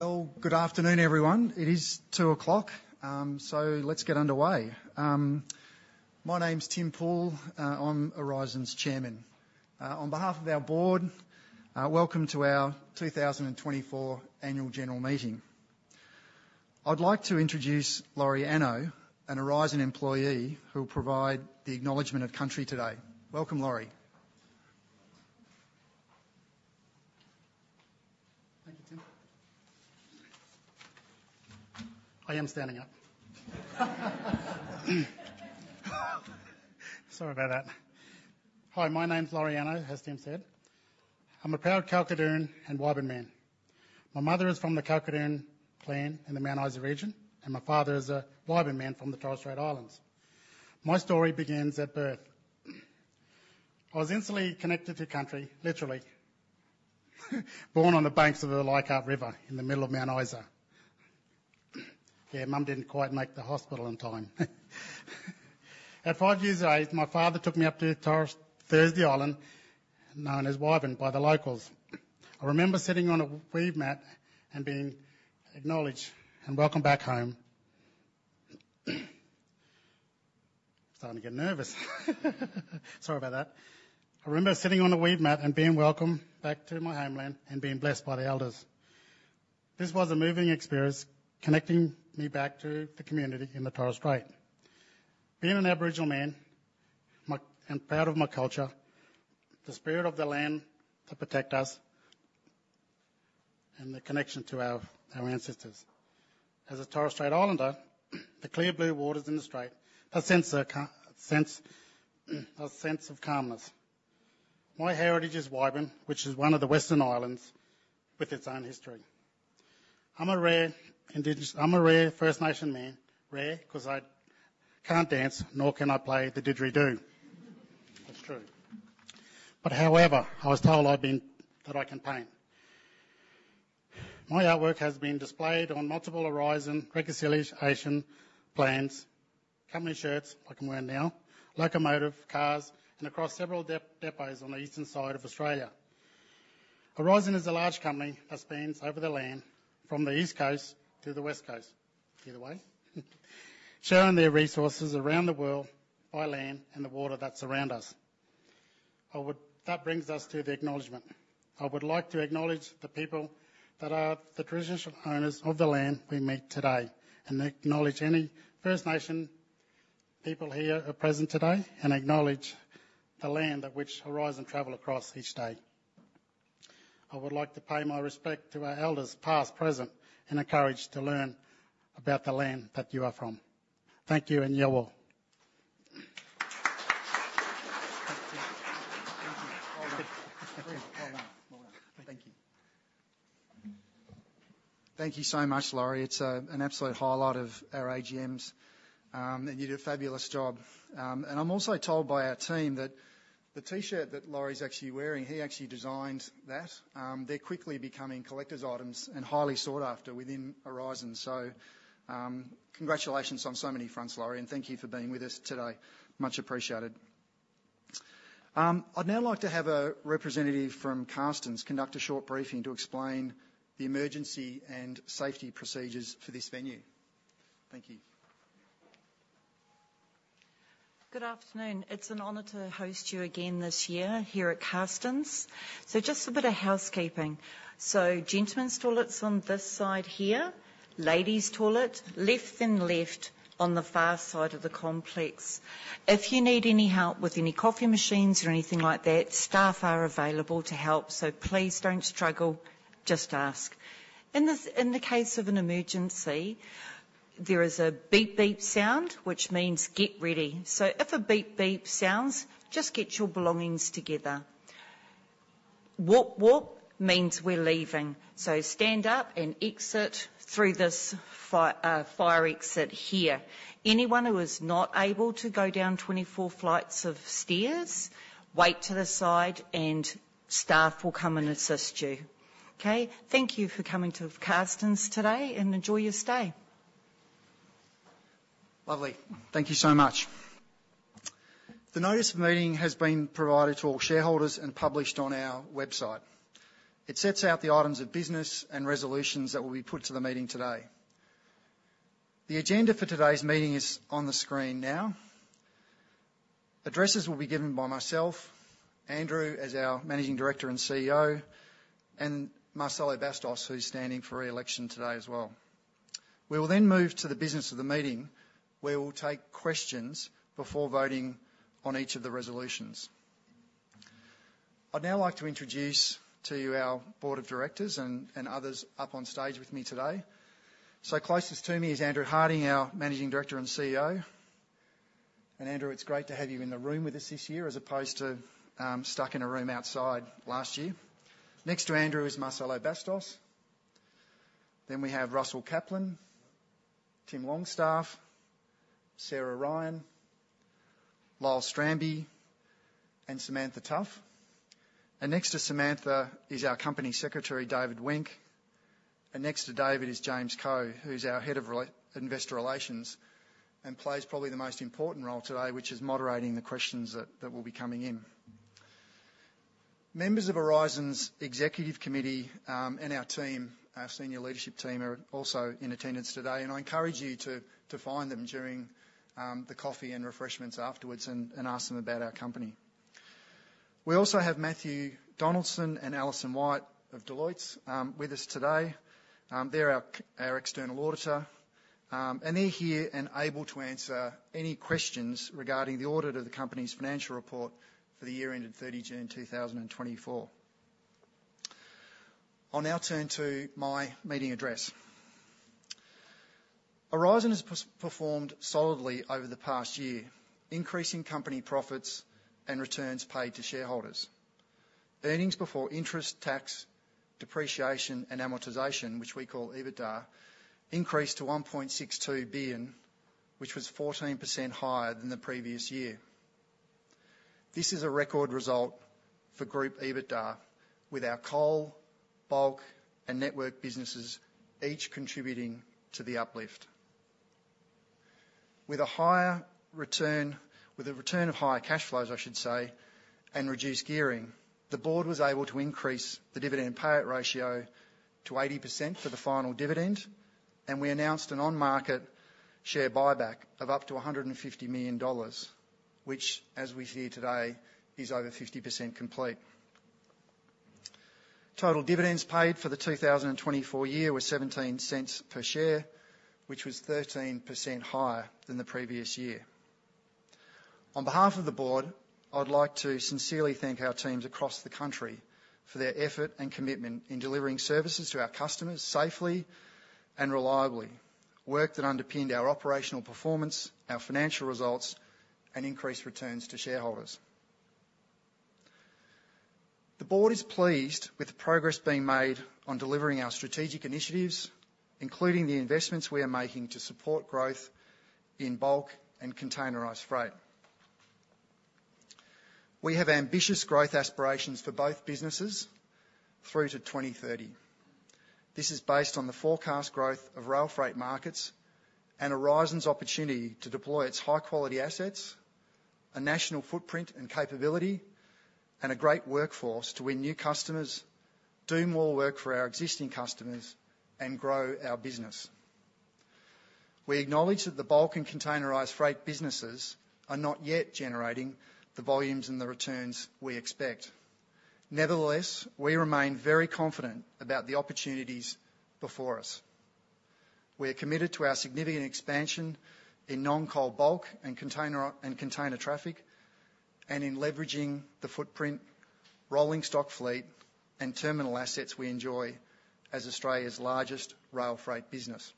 Well, good afternoon, everyone. It is 2:00 P.M., so let's get underway. My name's Tim Poole. I'm Aurizon's Chairman. On behalf of our board, welcome to our 2024 Annual General Meeting. I'd like to introduce Laurie Anno, an Aurizon employee, who will provide the Acknowledgement of Country today. Welcome, Laurie. Thank you, Tim. I am standing up. Sorry about that. Hi, my name's Laurie Anno, as Tim said. I'm a proud Kalkadoon and Waiben man. My mother is from the Kalkadoon clan in the Mount Isa region, and my father is a Waiben man from the Torres Strait Islands. My story begins at birth. I was instantly connected to country, literally, born on the banks of the Leichhardt River in the middle of Mount Isa. Yeah, Mum didn't quite make the hospital in time. At five years of age, my father took me up to Torres Strait, Thursday Island, known as Waiben by the locals. I remember sitting on a weave mat and being acknowledged and welcomed back home. I'm starting to get nervous. Sorry about that. I remember sitting on a weave mat and being welcomed back to my homeland and being blessed by the elders. This was a moving experience, connecting me back to the community in the Torres Strait. Being an Aboriginal man, I'm proud of my culture, the spirit of the land to protect us and the connection to our ancestors. As a Torres Strait Islander, the clear blue waters in the Strait, a sense of calmness. My heritage is Waiben, which is one of the western islands with its own history. I'm a rare Indigenous... I'm a rare First Nation man. Rare, 'cause I can't dance, nor can I play the didgeridoo. That's true. But however, I was told that I can paint. My artwork has been displayed on multiple Aurizon reconciliation plans, company shirts, like I'm wearing now, locomotive cars, and across several depots on the eastern side of Australia. Aurizon is a large company that spans over the land, from the East Coast to the West Coast, either way, sharing their resources around the world by land and the water that surround us. That brings us to the acknowledgement. I would like to acknowledge the people that are the traditional owners of the land we meet today, and acknowledge any First Nation people here are present today, and acknowledge the land at which Aurizon travel across each day. I would like to pay my respect to our elders, past, present, and encouraged to learn about the land that you are from. Thank you, and Yawo. Thank you. Well done. Well done. Well done. Thank you. Thank you so much, Laurie. It's an absolute highlight of our AGMs, and you did a fabulous job. And I'm also told by our team that the T-shirt that Laurie's actually wearing, he actually designed that. They're quickly becoming collector's items and highly sought after within Aurizon, so congratulations on so many fronts, Laurie, and thank you for being with us today. Much appreciated. I'd now like to have a representative from Karstens conduct a short briefing to explain the emergency and safety procedures for this venue. Thank you. Good afternoon. It's an honor to host you again this year here at Karstens. So just a bit of housekeeping. So gentlemen's toilet's on this side here, ladies' toilet, left then left on the far side of the complex. If you need any help with any coffee machines or anything like that, staff are available to help, so please don't struggle, just ask. In this, in the case of an emergency, there is a beep, beep sound, which means get ready. So if a beep, beep sounds, just get your belongings together. Whoop, whoop means we're leaving, so stand up and exit through this fire exit here. Anyone who is not able to go down 24 flights of stairs, wait to the side, and staff will come and assist you. Okay? Thank you for coming to Karstens today, and enjoy your stay. Lovely. Thank you so much. The notice of meeting has been provided to all shareholders and published on our website. It sets out the items of business and resolutions that will be put to the meeting today. The agenda for today's meeting is on the screen now. Addresses will be given by myself, Andrew, as our Managing Director and CEO, and Marcelo Bastos, who's standing for re-election today as well. We will then move to the business of the meeting, where we'll take questions before voting on each of the resolutions. I'd now like to introduce to you our board of directors and others up on stage with me today. So closest to me is Andrew Harding, our Managing Director and CEO. And Andrew, it's great to have you in the room with us this year, as opposed to stuck in a room outside last year. Next to Andrew is Marcelo Bastos, then we have Russell Caplan, Tim Longstaff, Sarah Ryan, Lyell Strambi, and Samantha Tough. Next to Samantha is our Company Secretary, David Wenck. Next to David is James Coe, who's our Head of Investor Relations, and plays probably the most important role today, which is moderating the questions that will be coming in. Members of Aurizon's executive committee and our team, our senior leadership team, are also in attendance today, and I encourage you to find them during the coffee and refreshments afterwards and ask them about our company. We also have Matthew Donaldson and Allison White of Deloitte with us today. They're our external auditor, and they're here and able to answer any questions regarding the audit of the company's financial report for the year ended 30 June 2024. I'll now turn to my meeting address. Aurizon has performed solidly over the past year, increasing company profits and returns paid to shareholders. Earnings before interest, tax, depreciation, and amortization, which we call EBITDA, increased to 1.62 billion, which was 14% higher than the previous year. This is a record result for group EBITDA, with our coal, bulk, and network businesses each contributing to the uplift. With a return of higher cash flows, I should say, and reduced gearing, the board was able to increase the dividend payout ratio to 80% for the final dividend, and we announced an on-market share buyback of up to 150 million dollars, which, as we see today, is over 50% complete. Total dividends paid for the 2024 year were 0.17 per share, which was 13% higher than the previous year. On behalf of the board, I would like to sincerely thank our teams across the country for their effort and commitment in delivering services to our customers safely and reliably, work that underpinned our operational performance, our financial results, and increased returns to shareholders. The board is pleased with the progress being made on delivering our strategic initiatives, including the investments we are making to support growth in bulk and containerised freight. We have ambitious growth aspirations for both businesses through to 2030. This is based on the forecast growth of rail freight markets and Aurizon's opportunity to deploy its high-quality assets, a national footprint and capability, and a great workforce to win new customers, do more work for our existing customers, and grow our business. We acknowledge that the bulk and containerised freight businesses are not yet generating the volumes and the returns we expect. Nevertheless, we remain very confident about the opportunities before us. We are committed to our significant expansion in non-coal bulk and containerised traffic and in leveraging the footprint, rolling stock fleet, and terminal assets we enjoy as Australia's largest rail freight business.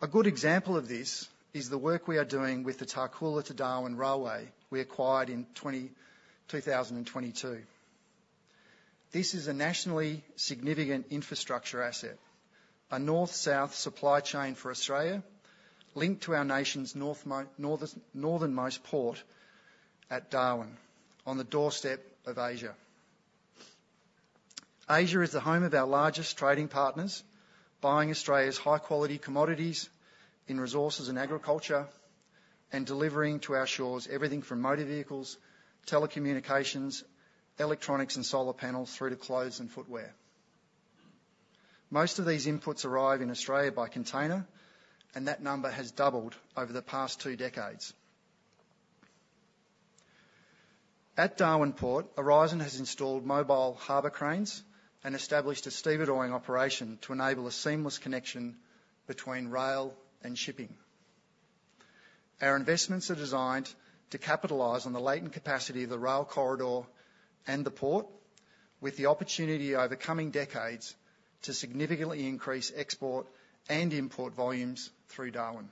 A good example of this is the work we are doing with the Tarcoola to Darwin Railway we acquired in 2022. This is a nationally significant infrastructure asset, a north-south supply chain for Australia, linked to our nation's northernmost port at Darwin, on the doorstep of Asia. Asia is the home of our largest trading partners, buying Australia's high-quality commodities in resources and agriculture, and delivering to our shores everything from motor vehicles, telecommunications, electronics, and solar panels through to clothes and footwear. Most of these inputs arrive in Australia by container, and that number has doubled over the past two decades. At Darwin Port, Aurizon has installed mobile harbor cranes and established a stevedoring operation to enable a seamless connection between rail and shipping. Our investments are designed to capitalize on the latent capacity of the rail corridor and the port, with the opportunity over coming decades to significantly increase export and import volumes through Darwin.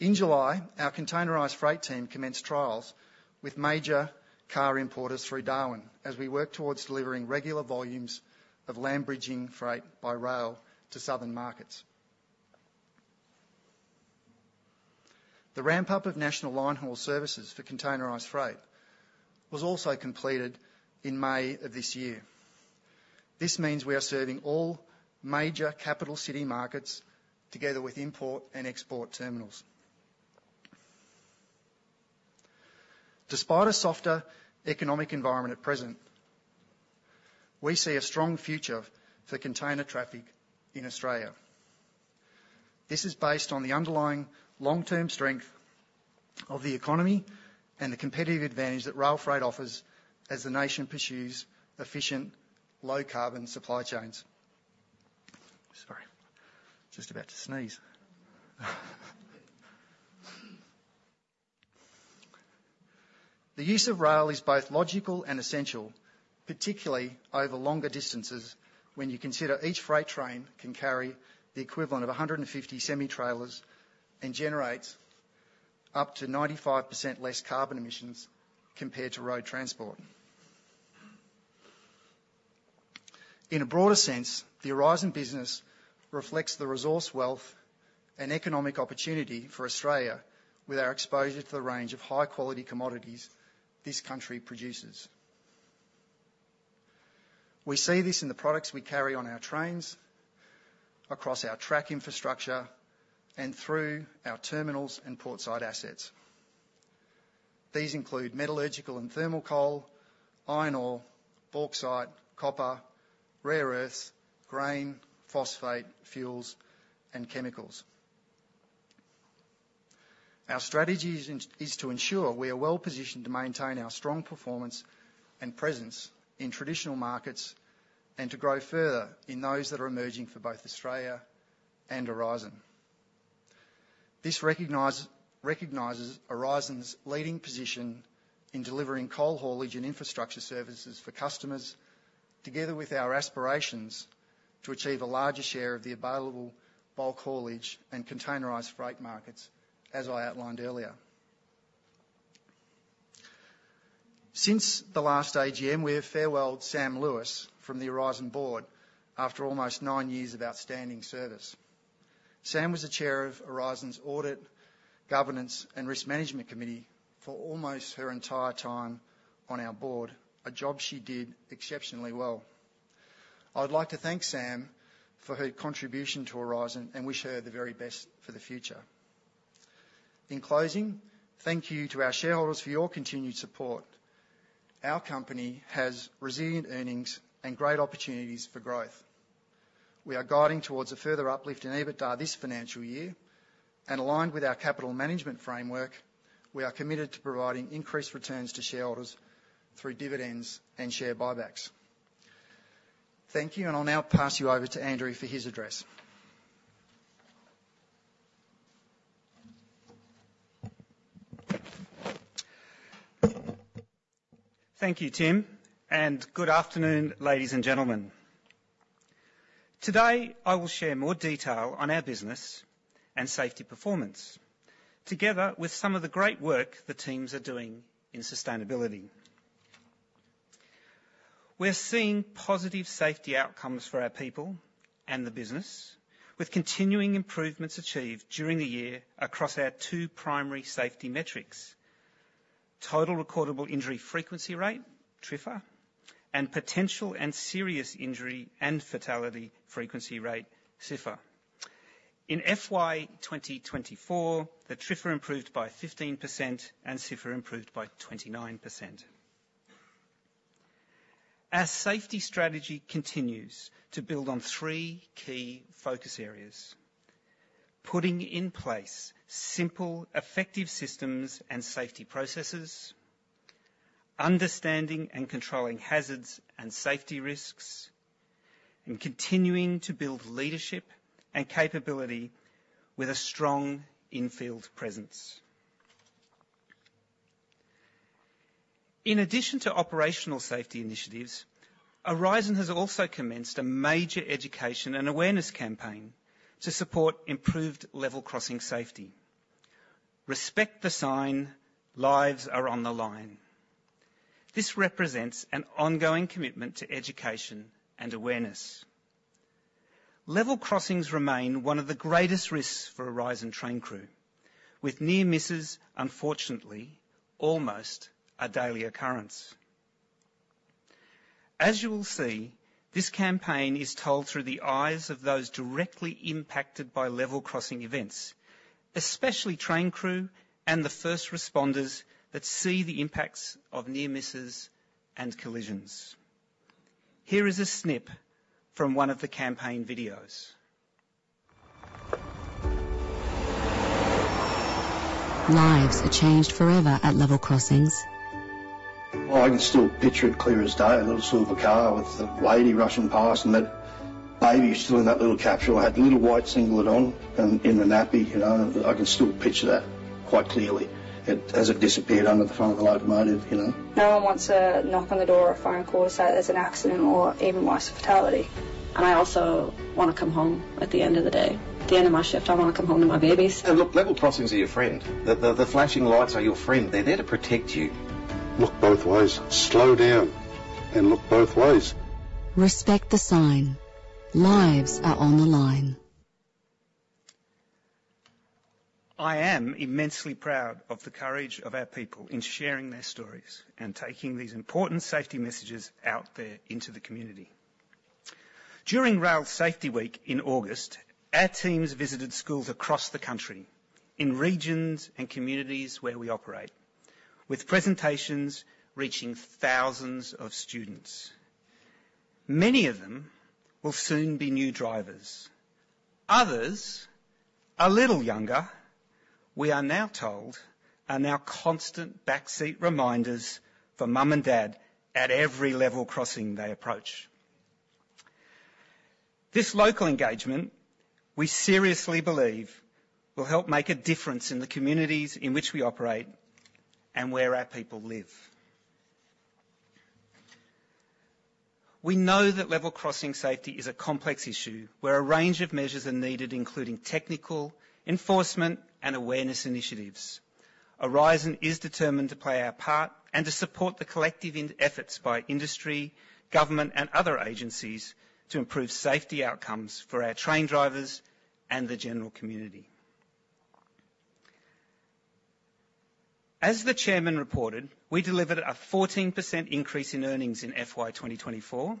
In July, our containerised freight team commenced trials with major car importers through Darwin as we work towards delivering regular volumes of land bridging freight by rail to southern markets. The ramp-up of national line haul services for containerised freight was also completed in May of this year. This means we are serving all major capital city markets together with import and export terminals. Despite a softer economic environment at present, we see a strong future for container traffic in Australia. This is based on the underlying long-term strength of the economy and the competitive advantage that rail freight offers as the nation pursues efficient, low-carbon supply chains. Sorry, just about to sneeze. The use of rail is both logical and essential, particularly over longer distances, when you consider each freight train can carry the equivalent of 150 semi-trailers and generates up to 95% less carbon emissions compared to road transport. In a broader sense, the Aurizon business reflects the resource, wealth, and economic opportunity for Australia with our exposure to the range of high-quality commodities this country produces. We see this in the products we carry on our trains, across our track infrastructure, and through our terminals and portside assets. These include metallurgical and thermal coal, iron ore, bauxite, copper, rare earths, grain, phosphate, fuels, and chemicals. Our strategy is to ensure we are well-positioned to maintain our strong performance and presence in traditional markets, and to grow further in those that are emerging for both Australia and Aurizon. This recognizes Aurizon's leading position in delivering coal haulage and infrastructure services for customers, together with our aspirations to achieve a larger share of the available bulk haulage and containerised freight markets, as I outlined earlier. Since the last AGM, we have farewelled Sam Lewis from the Aurizon board after almost nine years of outstanding service. Sam was the chair of Aurizon's Audit, Governance, and Risk Management Committee for almost her entire time on our board, a job she did exceptionally well. I would like to thank Sam for her contribution to Aurizon and wish her the very best for the future. In closing, thank you to our shareholders for your continued support. Our company has resilient earnings and great opportunities for growth. We are guiding towards a further uplift in EBITDA this financial year, and aligned with our capital management framework, we are committed to providing increased returns to shareholders through dividends and share buybacks. Thank you, and I'll now pass you over to Andrew for his address. Thank you, Tim, and good afternoon, ladies and gentlemen. Today, I will share more detail on our business and safety performance, together with some of the great work the teams are doing in sustainability. We're seeing positive safety outcomes for our people and the business, with continuing improvements achieved during the year across our two primary safety metrics: Total Recordable Injury Frequency Rate, TRIFR, and Potential and Serious Injury and Fatality Frequency Rate, PSIFR. In FY 2024, the TRIFR improved by 15% and PSIFR improved by 29%. Our safety strategy continues to build on three key focus areas: putting in place simple, effective systems and safety processes, understanding and controlling hazards and safety risks, and continuing to build leadership and capability with a strong in-field presence. In addition to operational safety initiatives, Aurizon has also commenced a major education and awareness campaign to support improved level crossing safety. "Respect the sign. Lives are on the line." This represents an ongoing commitment to education and awareness. Level crossings remain one of the greatest risks for Aurizon train crew, with near misses, unfortunately, almost a daily occurrence. As you will see, this campaign is told through the eyes of those directly impacted by level crossing events, especially train crew and the first responders that see the impacts of near misses and collisions. Here is a snip from one of the campaign videos. Lives are changed forever at level crossings. I can still picture it clear as day, a little silver car with a lady rushing past, and that baby still in that little capsule. It had the little white singlet on and in a nappy, you know? I can still picture that quite clearly, as it disappeared under the front of the locomotive, you know? No one wants a knock on the door or a phone call to say there's an accident or, even worse, a fatality. And I also want to come home at the end of the day. At the end of my shift, I want to come home to my babies. And look, level crossings are your friend. The flashing lights are your friend. They're there to protect you. Look both ways. Slow down and look both ways. Respect the sign. Lives are on the line. I am immensely proud of the courage of our people in sharing their stories and taking these important safety messages out there into the community. During Rail Safety Week in August, our teams visited schools across the country, in regions and communities where we operate, with presentations reaching thousands of students. Many of them will soon be new drivers. Others, a little younger, we are now told, are now constant backseat reminders for mom and dad at every level crossing they approach. This local engagement, we seriously believe, will help make a difference in the communities in which we operate and where our people live. We know that level crossing safety is a complex issue, where a range of measures are needed, including technical, enforcement, and awareness initiatives. Aurizon is determined to play our part and to support the collective industry efforts by industry, government, and other agencies to improve safety outcomes for our train drivers and the general community. As the chairman reported, we delivered a 14% increase in earnings in FY 2024,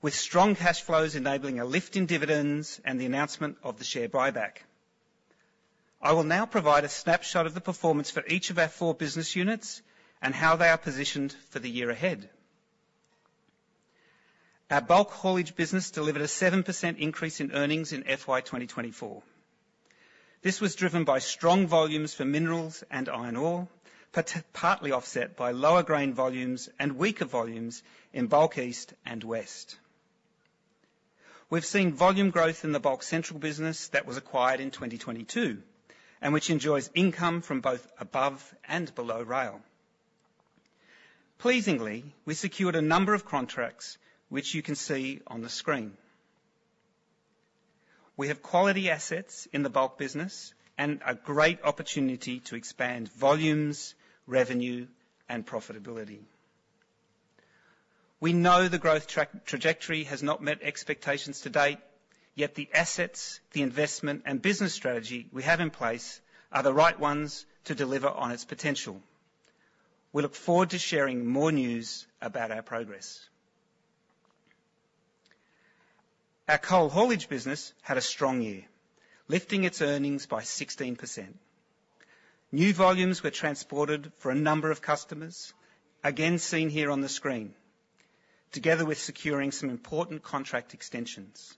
with strong cash flows enabling a lift in dividends and the announcement of the share buyback. I will now provide a snapshot of the performance for each of our four business units and how they are positioned for the year ahead. Our Bulk Haulage business delivered a 7% increase in earnings in FY 2024. This was driven by strong volumes for minerals and iron ore, partly offset by lower grain volumes and weaker volumes in Bulk East and West. We've seen volume growth in the Bulk Central business that was acquired in 2022, and which enjoys income from both above and below rail. Pleasingly, we secured a number of contracts, which you can see on the screen. We have quality assets in the Bulk business and a great opportunity to expand volumes, revenue, and profitability. We know the growth trajectory has not met expectations to date, yet the assets, the investment, and business strategy we have in place are the right ones to deliver on its potential. We look forward to sharing more news about our progress. Our Coal Haulage business had a strong year, lifting its earnings by 16%. New volumes were transported for a number of customers, again, seen here on the screen, together with securing some important contract extensions.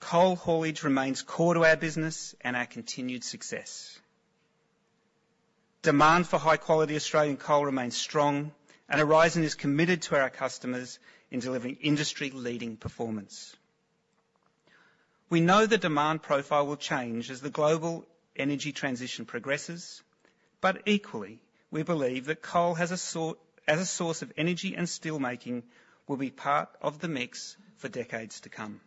Coal Haulage remains core to our business and our continued success. Demand for high-quality Australian coal remains strong, and Aurizon is committed to our customers in delivering industry-leading performance. We know the demand profile will change as the global energy transition progresses, but equally, we believe that coal has a role as a source of energy and steelmaking will be part of the mix for decades to come.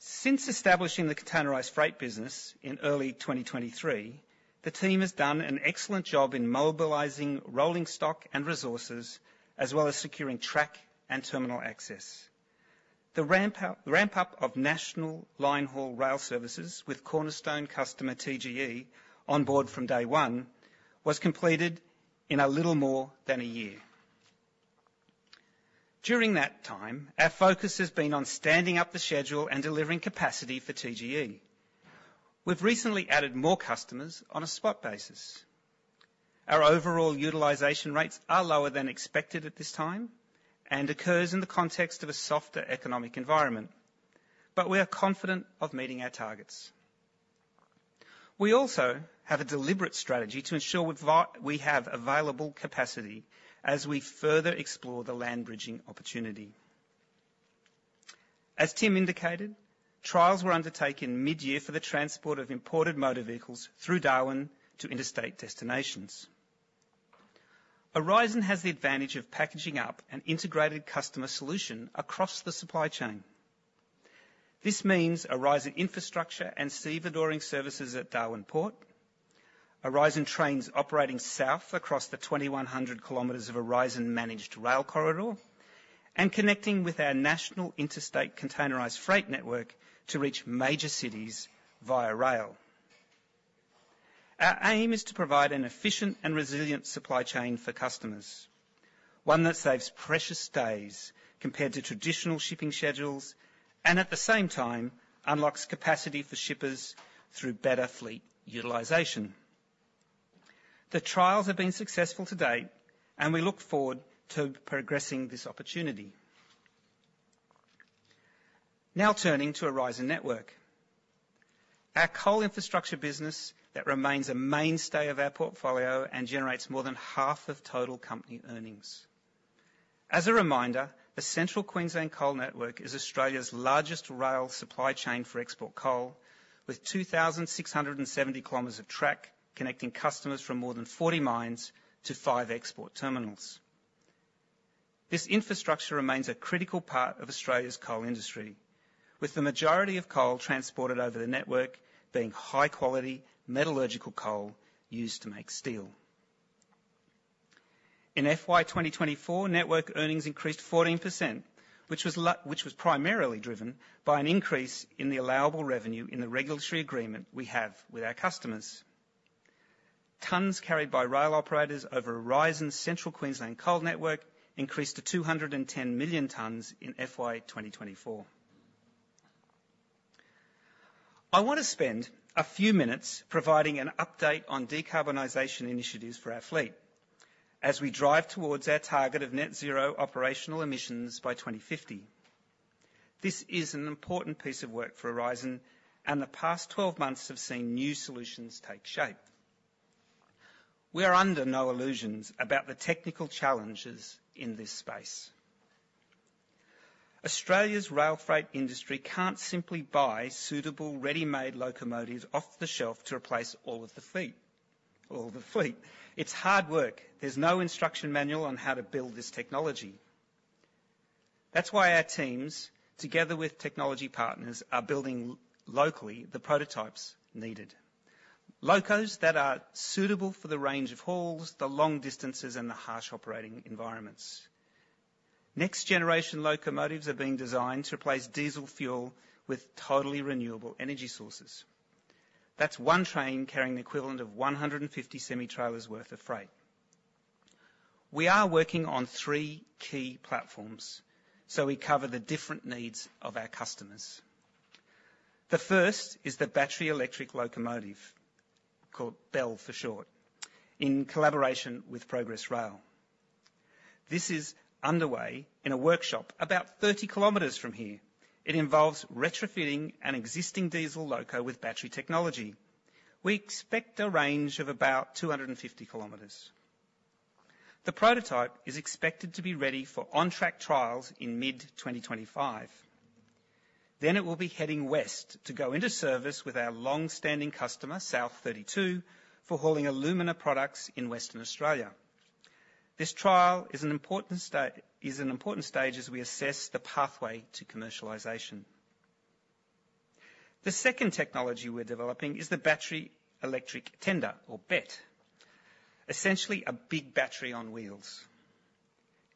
Since establishing the Containerised Freight business in early 2023, the team has done an excellent job in mobilizing rolling stock and resources, as well as securing track and terminal access. The ramp up of national line-haul rail services with cornerstone customer TGE on board from day one was completed in a little more than a year. During that time, our focus has been on standing up the schedule and delivering capacity for TGE. We've recently added more customers on a spot basis. Our overall utilization rates are lower than expected at this time and occurs in the context of a softer economic environment, but we are confident of meeting our targets. We also have a deliberate strategy to ensure we have available capacity as we further explore the land bridging opportunity. As Tim indicated, trials were undertaken mid-year for the transport of imported motor vehicles through Darwin to interstate destinations. Aurizon has the advantage of packaging up an integrated customer solution across the supply chain. This means Aurizon infrastructure and stevedoring services at Darwin Port, Aurizon trains operating south across the 2,100 km of Aurizon-managed rail corridor, and connecting with our national interstate containerised freight network to reach major cities via rail. Our aim is to provide an efficient and resilient supply chain for customers, one that saves precious days compared to traditional shipping schedules, and at the same time, unlocks capacity for shippers through better fleet utilization. The trials have been successful to date, and we look forward to progressing this opportunity. Now, turning to Aurizon Network. Our coal infrastructure business that remains a mainstay of our portfolio and generates more than half of total company earnings. As a reminder, the Central Queensland Coal Network is Australia's largest rail supply chain for export coal, with 2,670 km of track, connecting customers from more than 40 mines to 5 export terminals. This infrastructure remains a critical part of Australia's coal industry, with the majority of coal transported over the network being high quality, metallurgical coal used to make steel. In FY 2024, network earnings increased 14%, which was primarily driven by an increase in the allowable revenue in the regulatory agreement we have with our customers. Tonnes carried by rail operators over Aurizon's Central Queensland Coal Network increased to 210 million tonnes in FY 2024. I want to spend a few minutes providing an update on decarbonization initiatives for our fleet, as we drive towards our target of net zero operational emissions by 2050. This is an important piece of work for Aurizon, and the past twelve months have seen new solutions take shape. We are under no illusions about the technical challenges in this space. Australia's rail freight industry can't simply buy suitable, ready-made locomotives off the shelf to replace all of the fleet, all the fleet. It's hard work. There's no instruction manual on how to build this technology. That's why our teams, together with technology partners, are building locally the prototypes needed. Locos that are suitable for the range of hauls, the long distances, and the harsh operating environments. Next generation locomotives are being designed to replace diesel fuel with totally renewable energy sources. That's one train carrying the equivalent of 150 semi-trailers worth of freight. We are working on three key platforms, so we cover the different needs of our customers. The first is the Battery Electric Locomotive, called BEL for short, in collaboration with Progress Rail. This is underway in a workshop about 30 km from here. It involves retrofitting an existing diesel loco with battery technology. We expect a range of about 250 km. The prototype is expected to be ready for on-track trials in mid-2025. Then it will be heading west to go into service with our long-standing customer, South32, for hauling alumina products in Western Australia. This trial is an important stage as we assess the pathway to commercialization. The second technology we're developing is the Battery Electric Tender, or BET, essentially a big battery on wheels.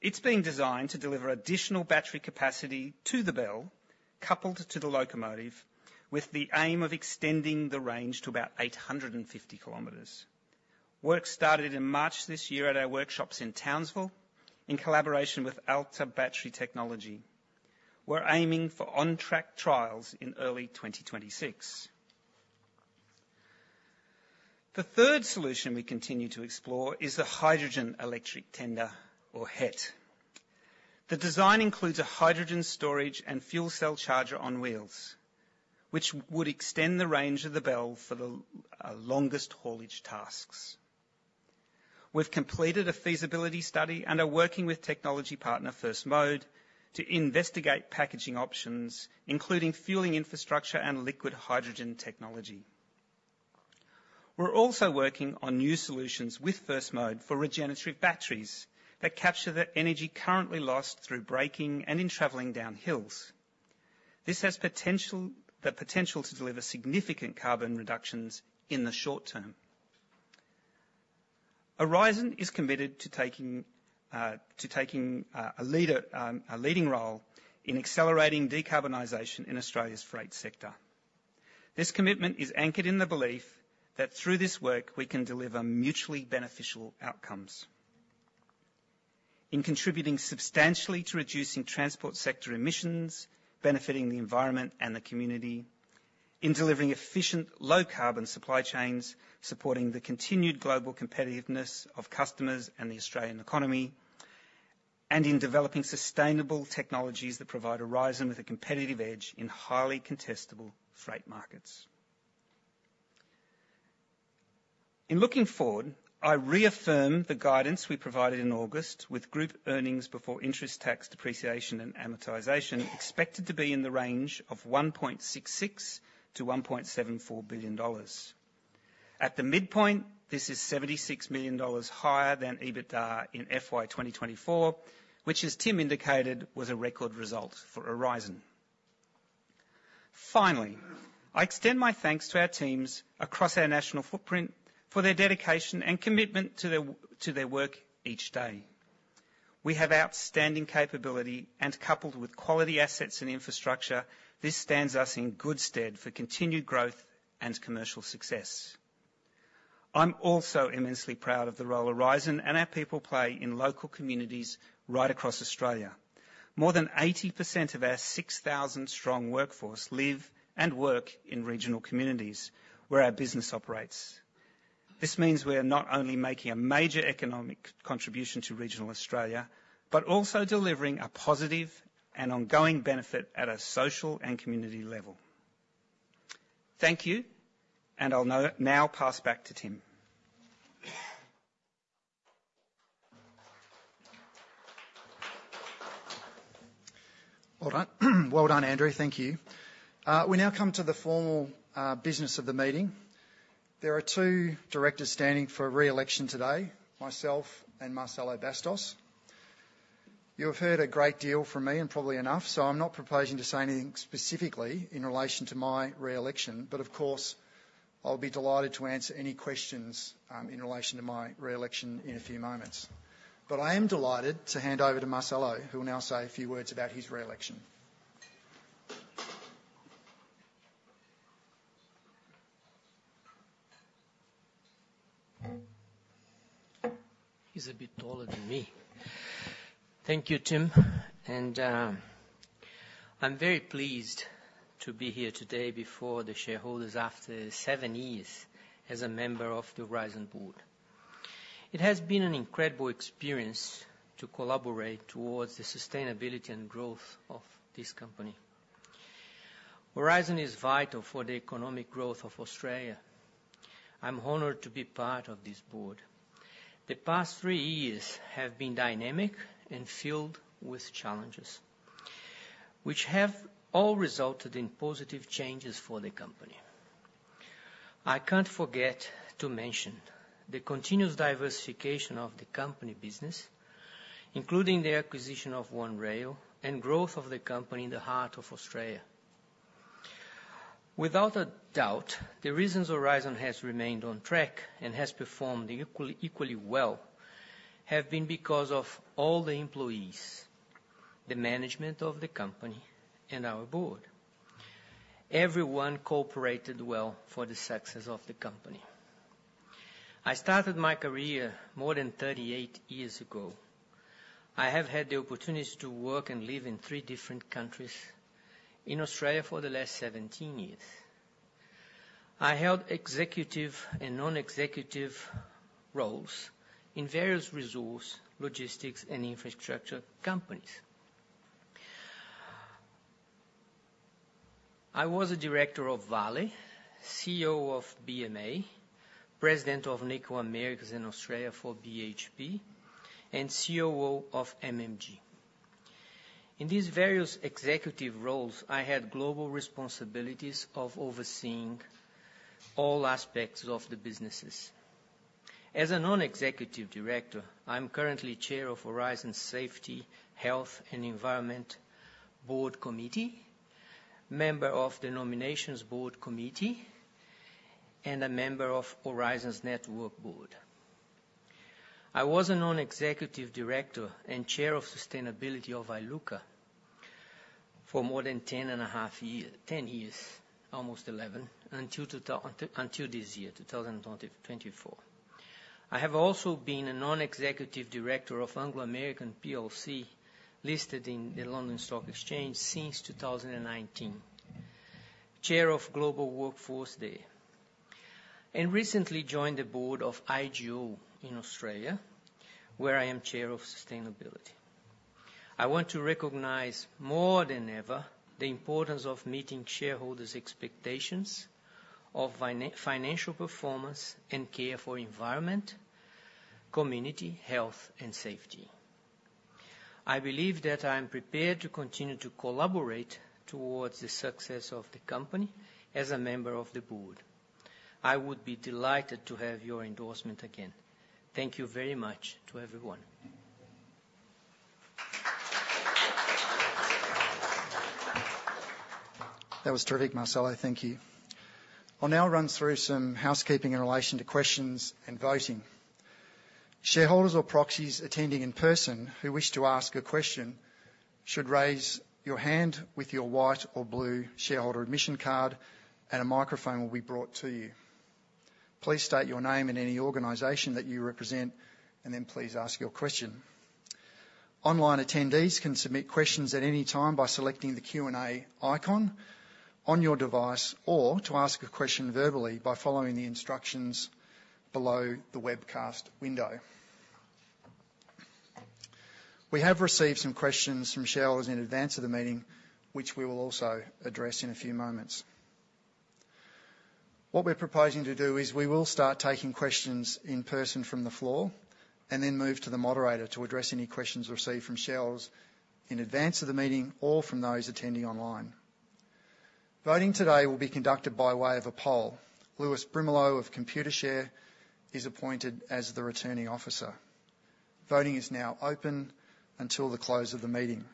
It's being designed to deliver additional battery capacity to the BEL, coupled to the locomotive, with the aim of extending the range to about 850 km. Work started in March this year at our workshops in Townsville in collaboration with Alta Battery Technology. We're aiming for on-track trials in early 2026. The third solution we continue to explore is the Hydrogen Electric Tender, or HET. The design includes a hydrogen storage and fuel cell charger on wheels, which would extend the range of the BEL for the longest haulage tasks. We've completed a feasibility study and are working with technology partner, First Mode, to investigate packaging options, including fueling infrastructure and liquid hydrogen technology. We're also working on new solutions with First Mode for regenerative batteries that capture the energy currently lost through braking and in traveling down hills. This has the potential to deliver significant carbon reductions in the short term. Aurizon is committed to taking a leading role in accelerating decarbonization in Australia's freight sector. This commitment is anchored in the belief that through this work, we can deliver mutually beneficial outcomes. In contributing substantially to reducing transport sector emissions, benefiting the environment and the community. In delivering efficient, low-carbon supply chains, supporting the continued global competitiveness of customers and the Australian economy, and in developing sustainable technologies that provide Aurizon with a competitive edge in highly contestable freight markets. In looking forward, I reaffirm the guidance we provided in August with group earnings before interest, tax, depreciation, and amortization, expected to be in the range of $1.66-$1.74 billion. At the midpoint, this is $76 million higher than EBITDA in FY 2024, which, as Tim indicated, was a record result for Aurizon. Finally, I extend my thanks to our teams across our national footprint for their dedication and commitment to their work each day. We have outstanding capability, and coupled with quality assets and infrastructure, this stands us in good stead for continued growth and commercial success. I'm also immensely proud of the role Aurizon and our people play in local communities right across Australia. More than 80% of our 6,000-strong workforce live and work in regional communities where our business operates. This means we are not only making a major economic contribution to regional Australia, but also delivering a positive and ongoing benefit at a social and community level. Thank you, and I'll now pass back to Tim. Well done. Well done, Andrew. Thank you. We now come to the formal business of the meeting. There are two directors standing for re-election today, myself and Marcelo Bastos. You have heard a great deal from me and probably enough, so I'm not proposing to say anything specifically in relation to my re-election, but of course, I'll be delighted to answer any questions in relation to my re-election in a few moments. But I am delighted to hand over to Marcelo, who will now say a few words about his re-election. He's a bit taller than me. Thank you, Tim, and I'm very pleased to be here today before the shareholders after seven years as a member of the Aurizon board. It has been an incredible experience to collaborate towards the sustainability and growth of this company. Aurizon is vital for the economic growth of Australia. I'm honored to be part of this board. The past three years have been dynamic and filled with challenges, which have all resulted in positive changes for the company. I can't forget to mention the continuous diversification of the company business, including the acquisition of One Rail and growth of the company in the heart of Australia. Without a doubt, the reasons Aurizon has remained on track and has performed equally well have been because of all the employees, the management of the company, and our board. Everyone cooperated well for the success of the company. I started my career more than thirty-eight years ago. I have had the opportunity to work and live in three different countries, in Australia for the last seventeen years. I held executive and non-executive roles in various resource, logistics, and infrastructure companies. I was a director of Vale, CEO of BMA, president of Nickel Americas in Australia for BHP, and COO of MMG. In these various executive roles, I had global responsibilities of overseeing all aspects of the businesses. As a non-executive director, I'm currently chair of Aurizon's Safety, Health, and Environment Board Committee, member of the Nominations Board Committee, and a member of Aurizon's Network Board. I was a non-executive director and chair of Sustainability of Iluka for more than ten and a half years, ten years, almost eleven, until this year, 2024. I have also been a non-executive director of Anglo American PLC, listed in the London Stock Exchange since two thousand and nineteen, chair of Global Workforce there, and recently joined the board of IGO in Australia, where I am chair of Sustainability. I want to recognize more than ever, the importance of meeting shareholders' expectations of financial performance and care for environment, community, health, and safety. I believe that I am prepared to continue to collaborate towards the success of the company as a member of the board. I would be delighted to have your endorsement again. Thank you very much to everyone. That was terrific, Marcelo. Thank you. I'll now run through some housekeeping in relation to questions and voting. Shareholders or proxies attending in person who wish to ask a question, should raise your hand with your white or blue shareholder admission card, and a microphone will be brought to you. Please state your name and any organization that you represent, and then please ask your question. Online attendees can submit questions at any time by selecting the Q&A icon on your device, or to ask a question verbally by following the instructions below the webcast window. We have received some questions from shareholders in advance of the meeting, which we will also address in a few moments. What we're proposing to do is, we will start taking questions in person from the floor, and then move to the moderator to address any questions received from shareholders in advance of the meeting or from those attending online. Voting today will be conducted by way of a poll. Lewis Brimelow of Computershare is appointed as the Returning Officer. Voting is now open until the close of the meeting.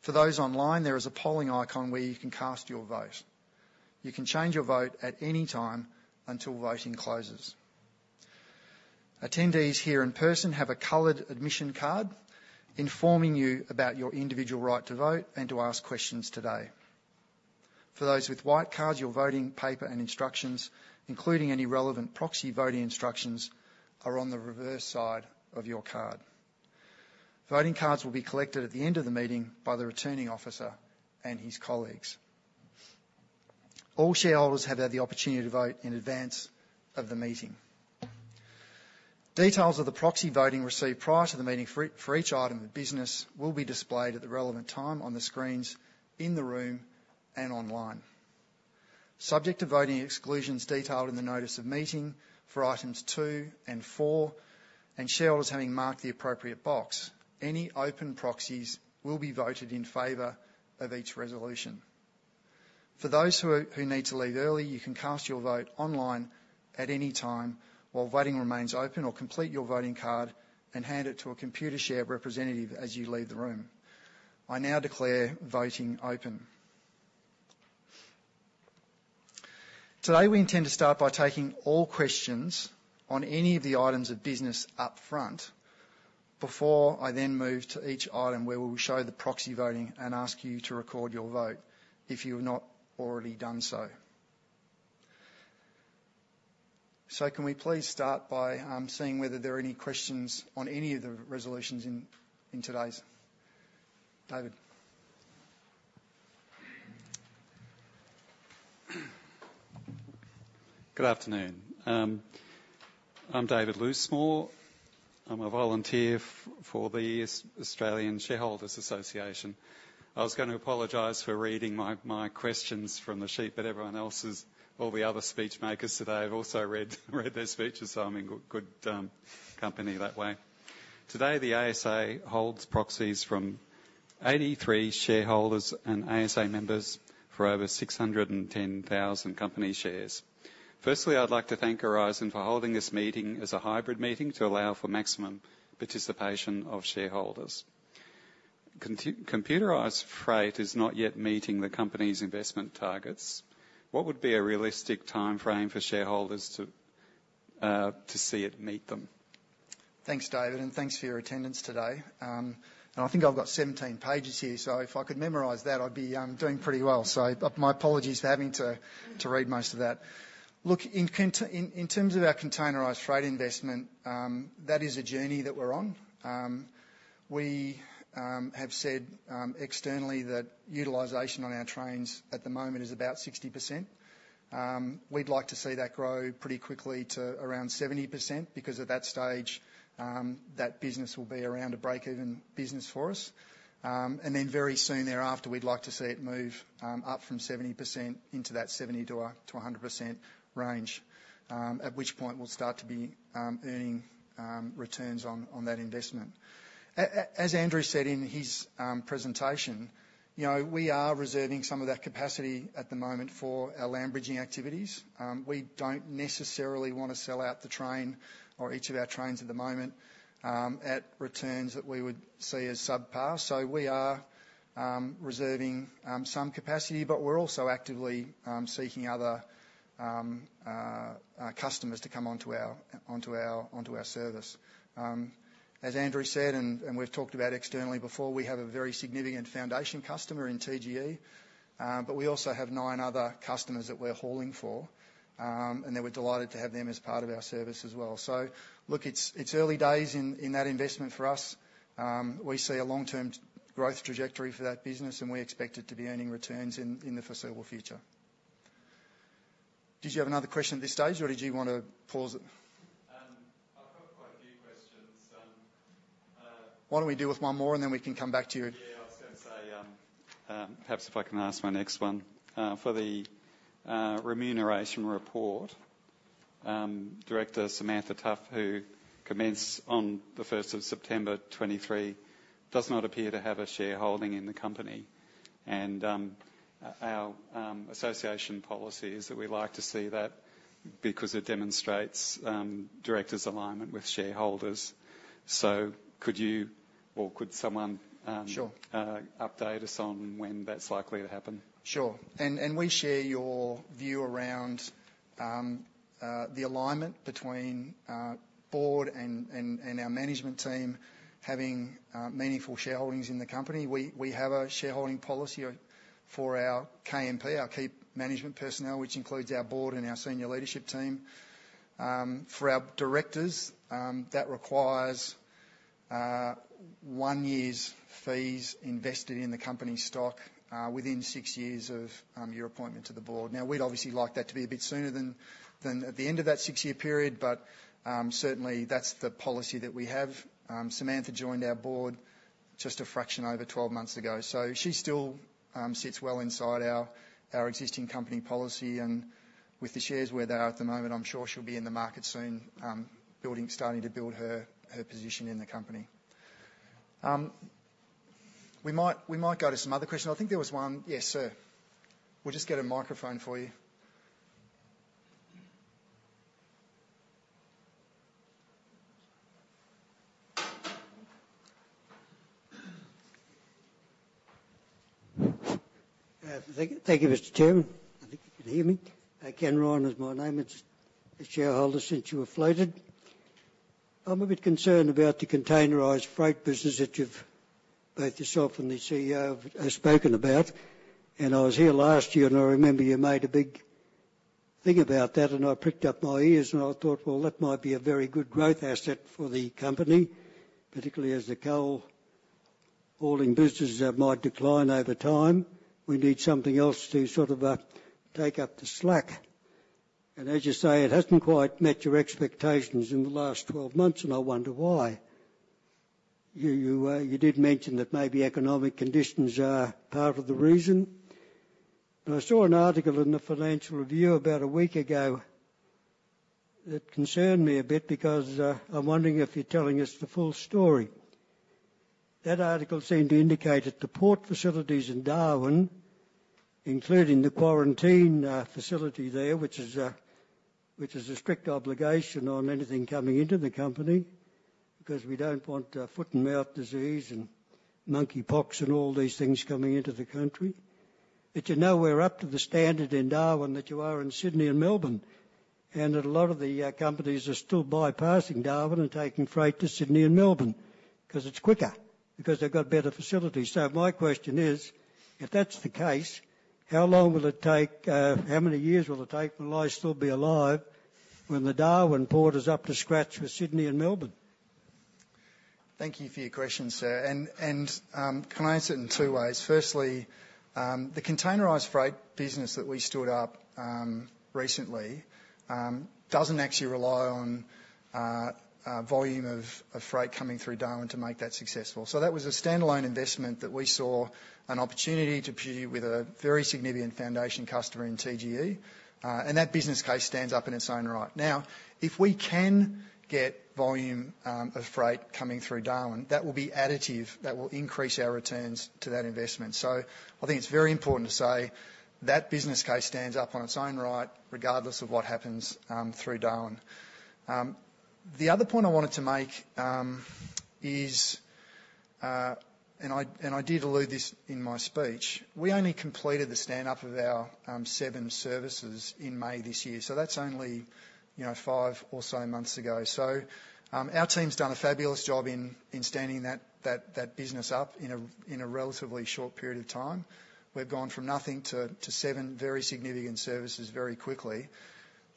For those online, there is a polling icon where you can cast your vote. You can change your vote at any time until voting closes. Attendees here in person have a colored admission card informing you about your individual right to vote and to ask questions today. For those with white cards, your voting paper and instructions, including any relevant proxy voting instructions, are on the reverse side of your card. Voting cards will be collected at the end of the meeting by the Returning Officer and his colleagues. All shareholders have had the opportunity to vote in advance of the meeting. Details of the proxy voting received prior to the meeting for each item of business will be displayed at the relevant time on the screens in the room and online. Subject to voting exclusions detailed in the notice of meeting for items two and four, and shareholders having marked the appropriate box, any open proxies will be voted in favor of each resolution. For those who need to leave early, you can cast your vote online at any time while voting remains open, or complete your voting card and hand it to a Computershare representative as you leave the room. I now declare voting open. Today, we intend to start by taking all questions on any of the items of business up front, before I then move to each item, where we will show the proxy voting and ask you to record your vote, if you've not already done so. So can we please start by seeing whether there are any questions on any of the resolutions in today's... David? Good afternoon. I'm David Loosemore. I'm a volunteer for the Australian Shareholders' Association. I was gonna apologize for reading my questions from the sheet, but everyone else is. All the other speech makers today have also read their speeches, so I'm in good company that way. Today, the ASA holds proxies from 83 shareholders and ASA members for over 610,000 company shares. Firstly, I'd like to thank Aurizon for holding this meeting as a hybrid meeting to allow for maximum participation of shareholders. Containerised Freight is not yet meeting the company's investment targets. What would be a realistic timeframe for shareholders to see it meet them? Thanks, David, and thanks for your attendance today. I think I've got 17 pages here, so if I could memorize that, I'd be doing pretty well. So my apologies for having to read most of that. Look, in terms of our containerised freight investment, that is a journey that we're on. We have said externally, that utilization on our trains at the moment is about 60%. We'd like to see that grow pretty quickly to around 70%, because at that stage, that business will be around a break-even business for us. And then very soon thereafter, we'd like to see it move up from 70% into that 70%-100% range, at which point we'll start to be earning returns on that investment. As Andrew said in his presentation, you know, we are reserving some of that capacity at the moment for our land bridging activities. We don't necessarily want to sell out the train or each of our trains at the moment, at returns that we would see as subpar. So we are reserving some capacity, but we're also actively seeking other customers to come onto our service. As Andrew said, and we've talked about externally before, we have a very significant foundation customer in TGE. But we also have nine other customers that we're hauling for, and that we're delighted to have them as part of our service as well. So look, it's early days in that investment for us. We see a long-term growth trajectory for that business, and we expect it to be earning returns in the foreseeable future. Did you have another question at this stage, or did you want to pause it? I've got quite a few questions. Why don't we deal with one more, and then we can come back to you? Yeah, I was going to say, perhaps if I can ask my next one. For the Remuneration Report, Director Samantha Tough, who commenced on the first of September 2023, does not appear to have a shareholding in the company, and our association policy is that we like to see that because it demonstrates directors' alignment with shareholders. So could you or could someone, Sure Update us on when that's likely to happen? Sure. And we share your view around the alignment between board and our management team having meaningful shareholdings in the company. We have a shareholding policy for our KMP, our key management personnel, which includes our board and our senior leadership team. For our directors, that requires one year's fees invested in the company stock within six years of your appointment to the board. Now, we'd obviously like that to be a bit sooner than at the end of that six-year period, but certainly, that's the policy that we have. Samantha joined our board just a fraction over 12 months ago, so she still sits well inside our existing company policy. And with the shares where they are at the moment, I'm sure she'll be in the market soon, starting to build her position in the company. We might go to some other question. I think there was one. Yes, sir. We'll just get a microphone for you. Thank you, thank you, Mr. Chairman. I think you can hear me. Ken Ryan is my name. It's a shareholder since you were floated. I'm a bit concerned about the containerised freight business that you've, both yourself and the CEO, have spoken about. And I was here last year, and I remember you made a big thing about that, and I pricked up my ears, and I thought, "Well, that might be a very good growth asset for the company," particularly as the coal hauling businesses might decline over time. We need something else to sort of take up the slack. And as you say, it hasn't quite met your expectations in the last 12 months, and I wonder why. You did mention that maybe economic conditions are part of the reason, but I saw an article in the Financial Review about a week ago that concerned me a bit because I'm wondering if you're telling us the full story. That article seemed to indicate that the port facilities in Darwin, including the quarantine facility there, which is a strict obligation on anything coming into the company, because we don't want foot-and-mouth disease and monkeypox and all these things coming into the country. That you're nowhere up to the standard in Darwin that you are in Sydney and Melbourne, and that a lot of the companies are still bypassing Darwin and taking freight to Sydney and Melbourne because it's quicker, because they've got better facilities. So my question is: if that's the case, how long will it take, how many years will it take, will I still be alive when the Darwin Port is up to scratch with Sydney and Melbourne? Thank you for your question, sir. Can I answer it in two ways? Firstly, the containerised freight business that we stood up recently doesn't actually rely on volume of freight coming through Darwin to make that successful. So that was a standalone investment that we saw an opportunity to pursue with a very significant foundation customer in TGE, and that business case stands up in its own right. Now, if we can get volume of freight coming through Darwin, that will be additive. That will increase our returns to that investment. So I think it's very important to say that business case stands up on its own right, regardless of what happens through Darwin. The other point I wanted to make is. And I did allude to this in my speech. We only completed the stand-up of our seven services in May this year, so that's only, you know, five or so months ago. So our team's done a fabulous job in standing that business up in a relatively short period of time. We've gone from nothing to seven very significant services very quickly,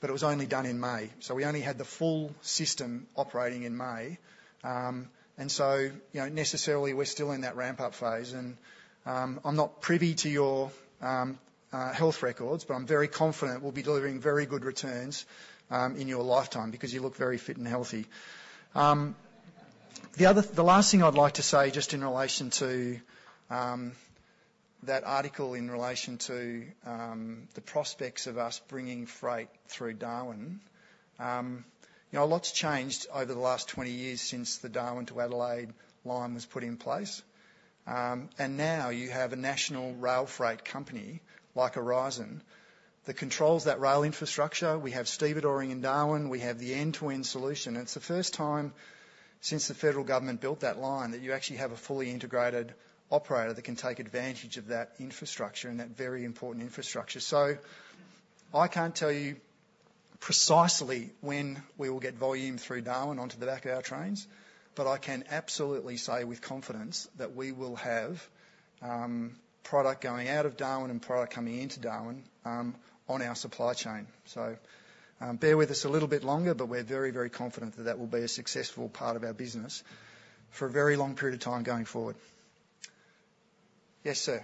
but it was only done in May. So we only had the full system operating in May. And so, you know, necessarily, we're still in that ramp-up phase and I'm not privy to your health records, but I'm very confident we'll be delivering very good returns in your lifetime because you look very fit and healthy. The last thing I'd like to say, just in relation to that article in relation to the prospects of us bringing freight through Darwin. You know, a lot's changed over the last 20 years since the Darwin to Adelaide line was put in place. And now you have a national rail freight company like Aurizon that controls that rail infrastructure. We have stevedoring in Darwin. We have the end-to-end solution. It's the first time since the federal government built that line that you actually have a fully integrated operator that can take advantage of that infrastructure and that very important infrastructure. So I can't tell you precisely when we will get volume through Darwin onto the back of our trains, but I can absolutely say with confidence that we will have product going out of Darwin and product coming into Darwin on our supply chain. So bear with us a little bit longer, but we're very, very confident that that will be a successful part of our business for a very long period of time going forward. Yes, sir?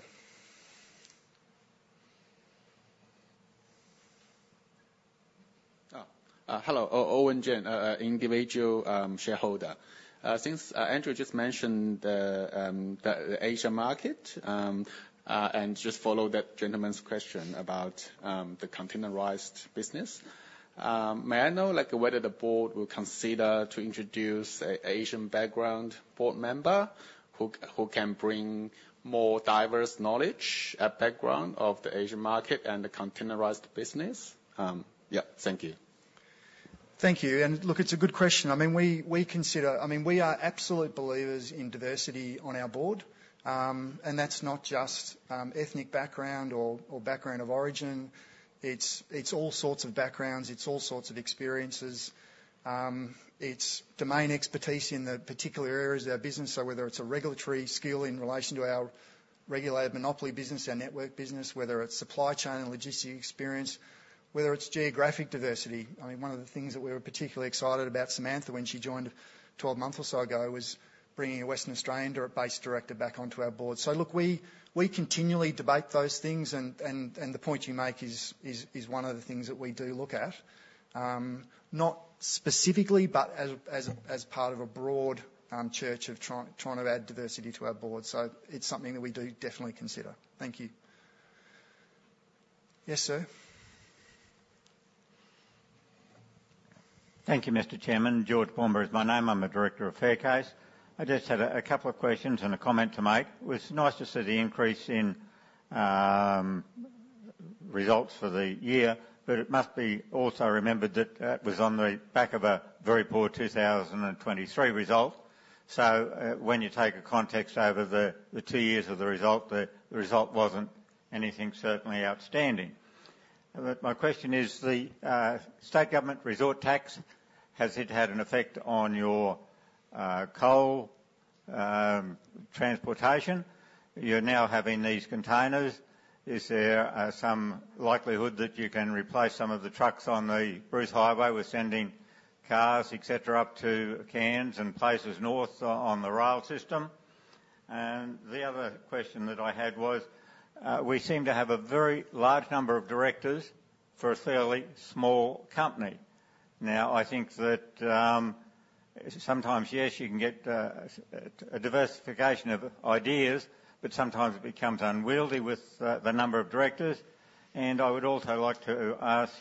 Oh, hello, Owen Jin, individual shareholder. Since Andrew just mentioned the Asia market and just follow that gentleman's question about the containerised business, may I know, like, whether the board will consider to introduce a Asian background board member who can bring more diverse knowledge and background of the Asian market and the containerised business? Yeah, thank you. Thank you, and look, it's a good question. I mean, we are absolute believers in diversity on our board. And that's not just ethnic background or background of origin. It's all sorts of backgrounds. It's all sorts of experiences. It's domain expertise in the particular areas of our business, so whether it's a regulatory skill in relation to our regulated monopoly business, our network business, whether it's supply chain and logistics experience, whether it's geographic diversity. I mean, one of the things that we were particularly excited about Samantha when she joined 12 months or so ago was bringing a Western Australian-based director back onto our board. So look, we continually debate those things, and the point you make is one of the things that we do look at, not specifically, but as part of a broad church of trying to add diversity to our board. So it's something that we do definitely consider. Thank you. Yes, sir. Thank you, Mr. Chairman. George Bomer is my name. I'm a director of Faircase. I just had a couple of questions and a comment to make. It was nice to see the increase in results for the year, but it must be also remembered that that was on the back of a very poor 2023 result. So, when you take a context over the two years of the result, the result wasn't anything certainly outstanding. But my question is the state government resource tax, has it had an effect on your coal transportation? You're now having these containers. Is there some likelihood that you can replace some of the trucks on the Bruce Highway with sending cars, et cetera, up to Cairns and places north on the rail system? And the other question that I had was, we seem to have a very large number of directors for a fairly small company. Now, I think that, sometimes, yes, you can get a diversification of ideas, but sometimes it becomes unwieldy with the number of directors. And I would also like to ask,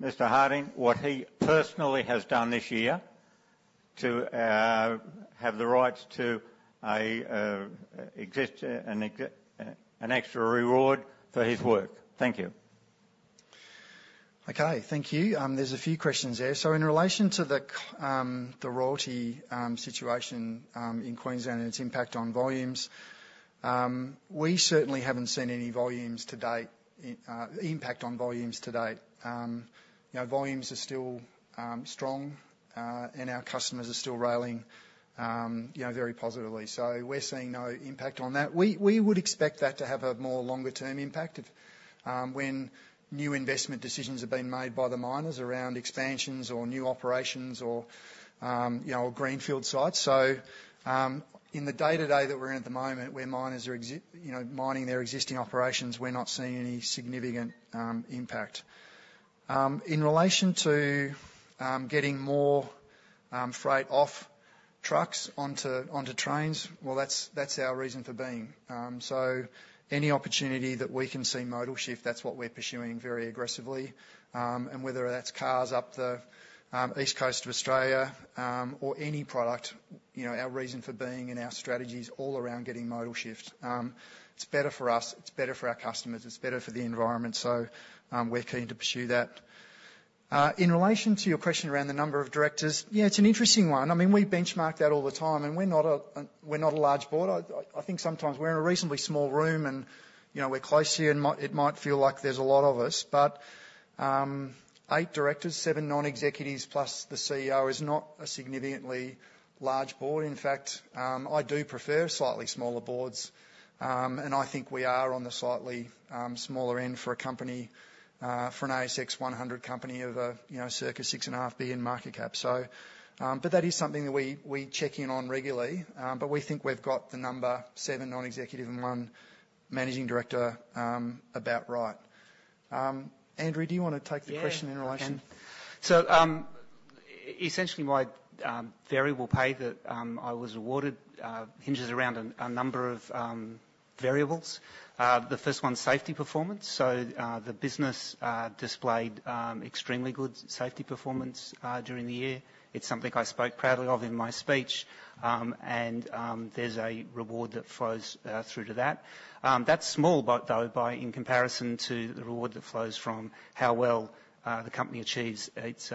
Mr. Harding, what he personally has done this year to have the rights to an extra reward for his work. Thank you. Okay. Thank you. There's a few questions there. So in relation to the royalty situation in Queensland and its impact on volumes, we certainly haven't seen any impact on volumes to date. You know, volumes are still strong, and our customers are still railing you know very positively. So we're seeing no impact on that. We would expect that to have a more longer-term impact if when new investment decisions are being made by the miners around expansions or new operations or you know greenfield sites. So in the day-to-day that we're in at the moment, where miners are you know mining their existing operations, we're not seeing any significant impact. In relation to getting more freight off trucks onto trains, well, that's our reason for being. So any opportunity that we can see modal shift, that's what we're pursuing very aggressively. And whether that's cars up the east coast of Australia or any product, you know, our reason for being and our strategy is all around getting modal shift. It's better for us, it's better for our customers, it's better for the environment, so we're keen to pursue that. In relation to your question around the number of directors, yeah, it's an interesting one. I mean, we benchmark that all the time, and we're not a large board. I think sometimes we're in a reasonably small room, and, you know, we're close here, and it might feel like there's a lot of us. But, eight directors, seven non-executives, plus the CEO is not a significantly large board. In fact, I do prefer slightly smaller boards, and I think we are on the slightly smaller end for a company for an ASX 100 company of, you know, circa six and a half B in market cap. So, but that is something that we check in on regularly, but we think we've got the number, seven non-executive and one Managing Director, about right. Andrew, do you want to take the question in relation? Yeah, I can. So, essentially, my variable pay that I was awarded hinges around a number of variables. The first one, safety performance. So, the business displayed extremely good safety performance during the year. It's something I spoke proudly of in my speech. And, there's a reward that flows through to that. That's small, but though, by in comparison to the reward that flows from how well the company achieves its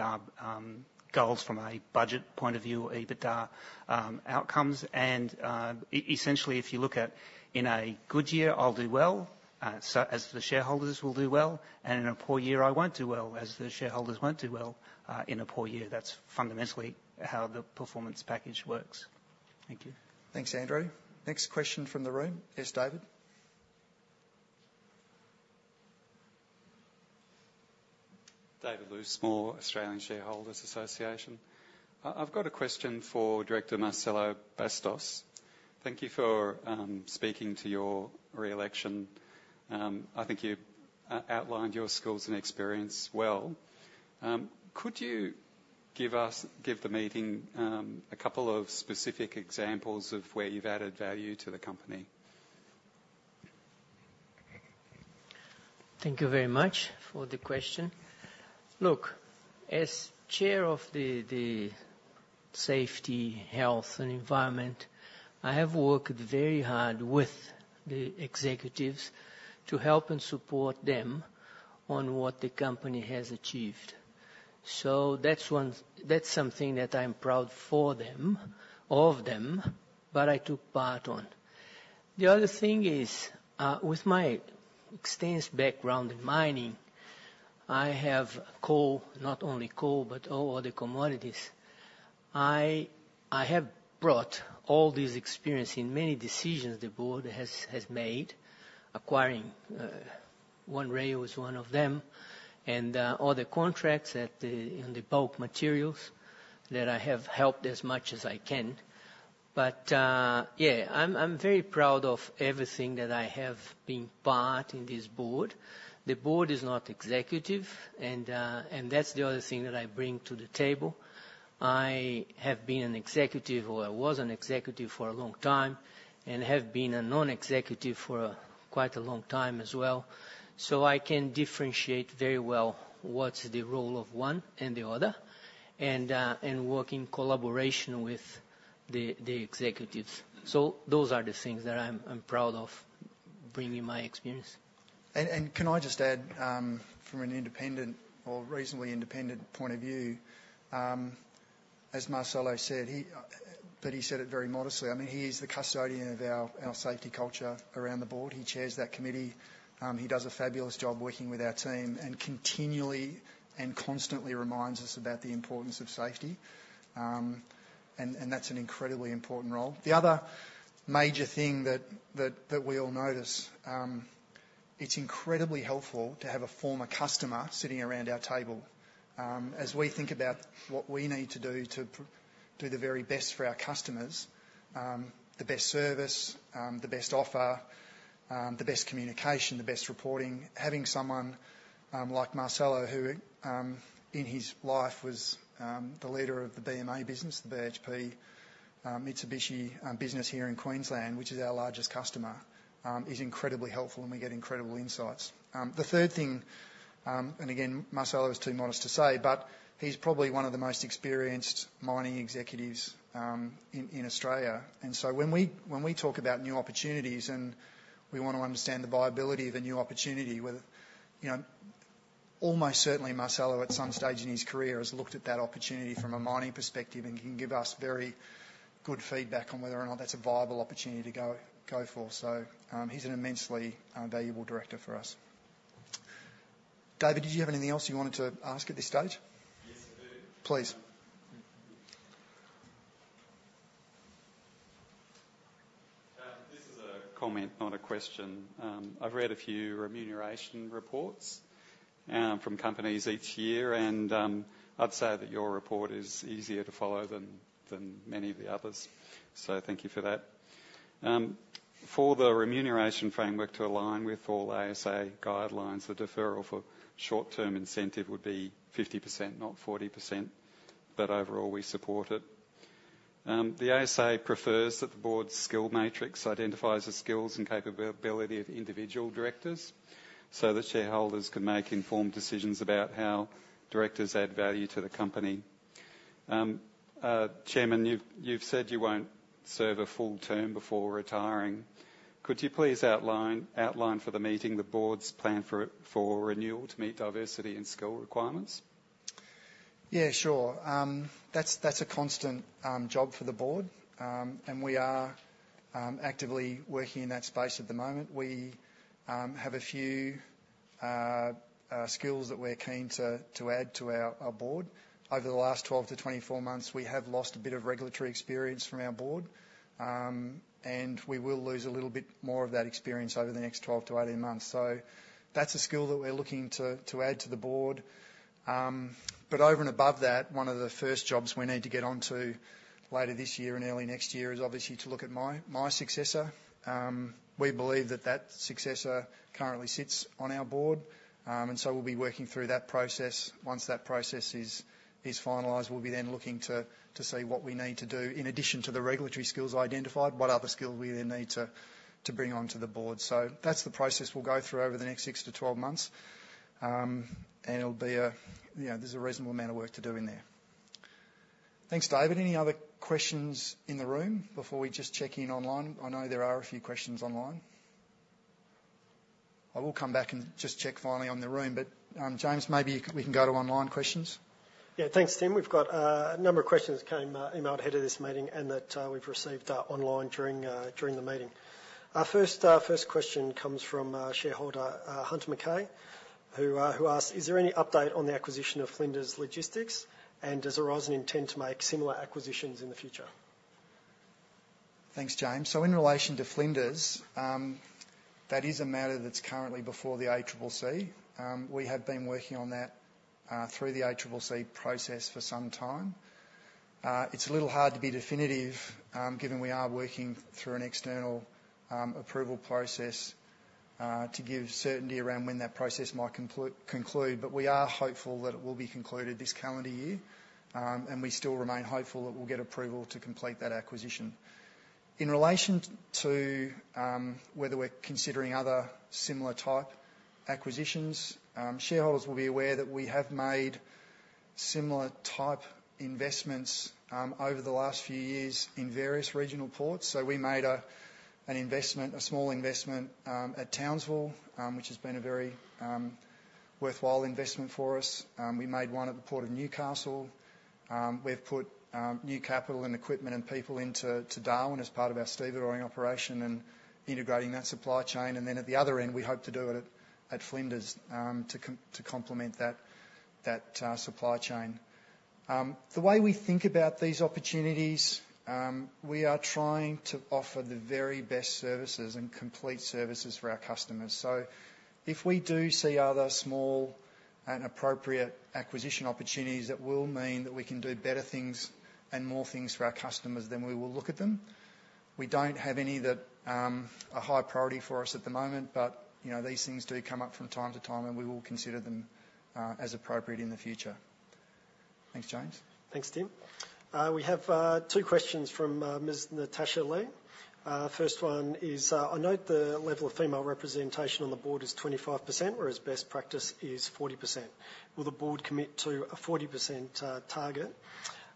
goals from a budget point of view, EBITDA outcomes. And, essentially, if you look at in a good year, I'll do well, so as the shareholders will do well, and in a poor year, I won't do well, as the shareholders won't do well in a poor year. That's fundamentally how the performance package works. Thank you. Thanks, Andrew. Next question from the room. Yes, David? David Loosemore, Australian Shareholders' Association. I've got a question for Director Marcelo Bastos. Thank you for speaking to your re-election. I think you outlined your skills and experience well. Could you give us, give the meeting, a couple of specific examples of where you've added value to the company? Thank you very much for the question. Look, as chair of the safety, health, and environment, I have worked very hard with the executives to help and support them on what the company has achieved. So that's one. That's something that I'm proud for them, of them, but I took part on. The other thing is, with my extensive background in mining, I have coal, not only coal, but all other commodities. I have brought all this experience in many decisions the board has made. Acquiring One Rail was one of them, and all the contracts in the bulk materials that I have helped as much as I can. But yeah, I'm very proud of everything that I have been part in this board. The board is not executive, and that's the other thing that I bring to the table. I have been an executive, or I was an executive for a long time, and have been a non-executive for quite a long time as well, so I can differentiate very well what's the role of one and the other, and work in collaboration with the executives. So those are the things that I'm proud of bringing my experience. Can I just add, from an independent or reasonably independent point of view, as Marcelo said, but he said it very modestly. I mean, he is the custodian of our safety culture around the board. He chairs that committee. He does a fabulous job working with our team and continually and constantly reminds us about the importance of safety. That's an incredibly important role. The other major thing that we all notice, it's incredibly helpful to have a former customer sitting around our table. As we think about what we need to do to do the very best for our customers, the best service, the best offer, the best communication, the best reporting. Having someone like Marcelo, who in his life was the leader of the BMA business, the BHP Mitsubishi business here in Queensland, which is our largest customer, is incredibly helpful, and we get incredible insights. The third thing, and again, Marcelo is too modest to say, but he's probably one of the most experienced mining executives in Australia. And so when we talk about new opportunities, and we want to understand the viability of a new opportunity, whether you know, almost certainly Marcelo, at some stage in his career, has looked at that opportunity from a mining perspective and can give us very good feedback on whether or not that's a viable opportunity to go for. So, he's an immensely valuable director for us. David, did you have anything else you wanted to ask at this stage? Yes, I do. Please. This is a comment, not a question. I've read a few remuneration reports from companies each year, and I'd say that your report is easier to follow than many of the others, so thank you for that. For the remuneration framework to align with all ASA guidelines, the deferral for short-term incentive would be 50%, not 40%, but overall, we support it. The ASA prefers that the board's skill matrix identifies the skills and capability of individual directors so that shareholders can make informed decisions about how directors add value to the company. Chairman, you've said you won't serve a full term before retiring. Could you please outline for the meeting the board's plan for renewal to meet diversity and skill requirements? Yeah, sure. That's a constant job for the board. And we are actively working in that space at the moment. We have a few skills that we're keen to add to our board. Over the last twelve to 24 months, we have lost a bit of regulatory experience from our board. And we will lose a little bit more of that experience over the next 12 to 18 months. So that's a skill that we're looking to add to the board. But over and above that, one of the first jobs we need to get on to later this year and early next year is obviously to look at my successor. We believe that successor currently sits on our board. And so we'll be working through that process. Once that process is finalized, we'll be then looking to see what we need to do, in addition to the regulatory skills identified, what other skills we then need to bring onto the board. So that's the process we'll go through over the next six to 12 months, and it'll be a, you know, there's a reasonable amount of work to do in there. Thanks, David. Any other questions in the room before we just check in online? I know there are a few questions online. I will come back and just check finally on the room, but, James, maybe we can go to online questions. Yeah. Thanks, Tim. We've got a number of questions emailed ahead of this meeting and that we've received online during the meeting. Our first question comes from shareholder Hunter McKay, who asks: "Is there any update on the acquisition of Flinders Logistics, and does Aurizon intend to make similar acquisitions in the future? Thanks, James. So in relation to Flinders, that is a matter that's currently before the ACCC. We have been working on that, through the ACCC process for some time. It's a little hard to be definitive, given we are working through an external approval process, to give certainty around when that process might conclude, but we are hopeful that it will be concluded this calendar year. And we still remain hopeful that we'll get approval to complete that acquisition. In relation to whether we're considering other similar type acquisitions, shareholders will be aware that we have made similar type investments over the last few years in various regional ports. So we made an investment, a small investment, at Townsville, which has been a very worthwhile investment for us. We made one at the Port of Newcastle. We've put new capital and equipment and people into Darwin as part of our stevedoring operation and integrating that supply chain. And then at the other end, we hope to do it at Flinders to complement that supply chain. The way we think about these opportunities, we are trying to offer the very best services and complete services for our customers. So if we do see other small and appropriate acquisition opportunities that will mean that we can do better things and more things for our customers, then we will look at them. We don't have any that are high priority for us at the moment, but you know, these things do come up from time to time, and we will consider them as appropriate in the future. Thanks, James. Thanks, Tim. We have two questions from Ms. Natasha Lee. First one is: "I note the level of female representation on the board is 25%, whereas best practice is 40%. Will the board commit to a 40% target?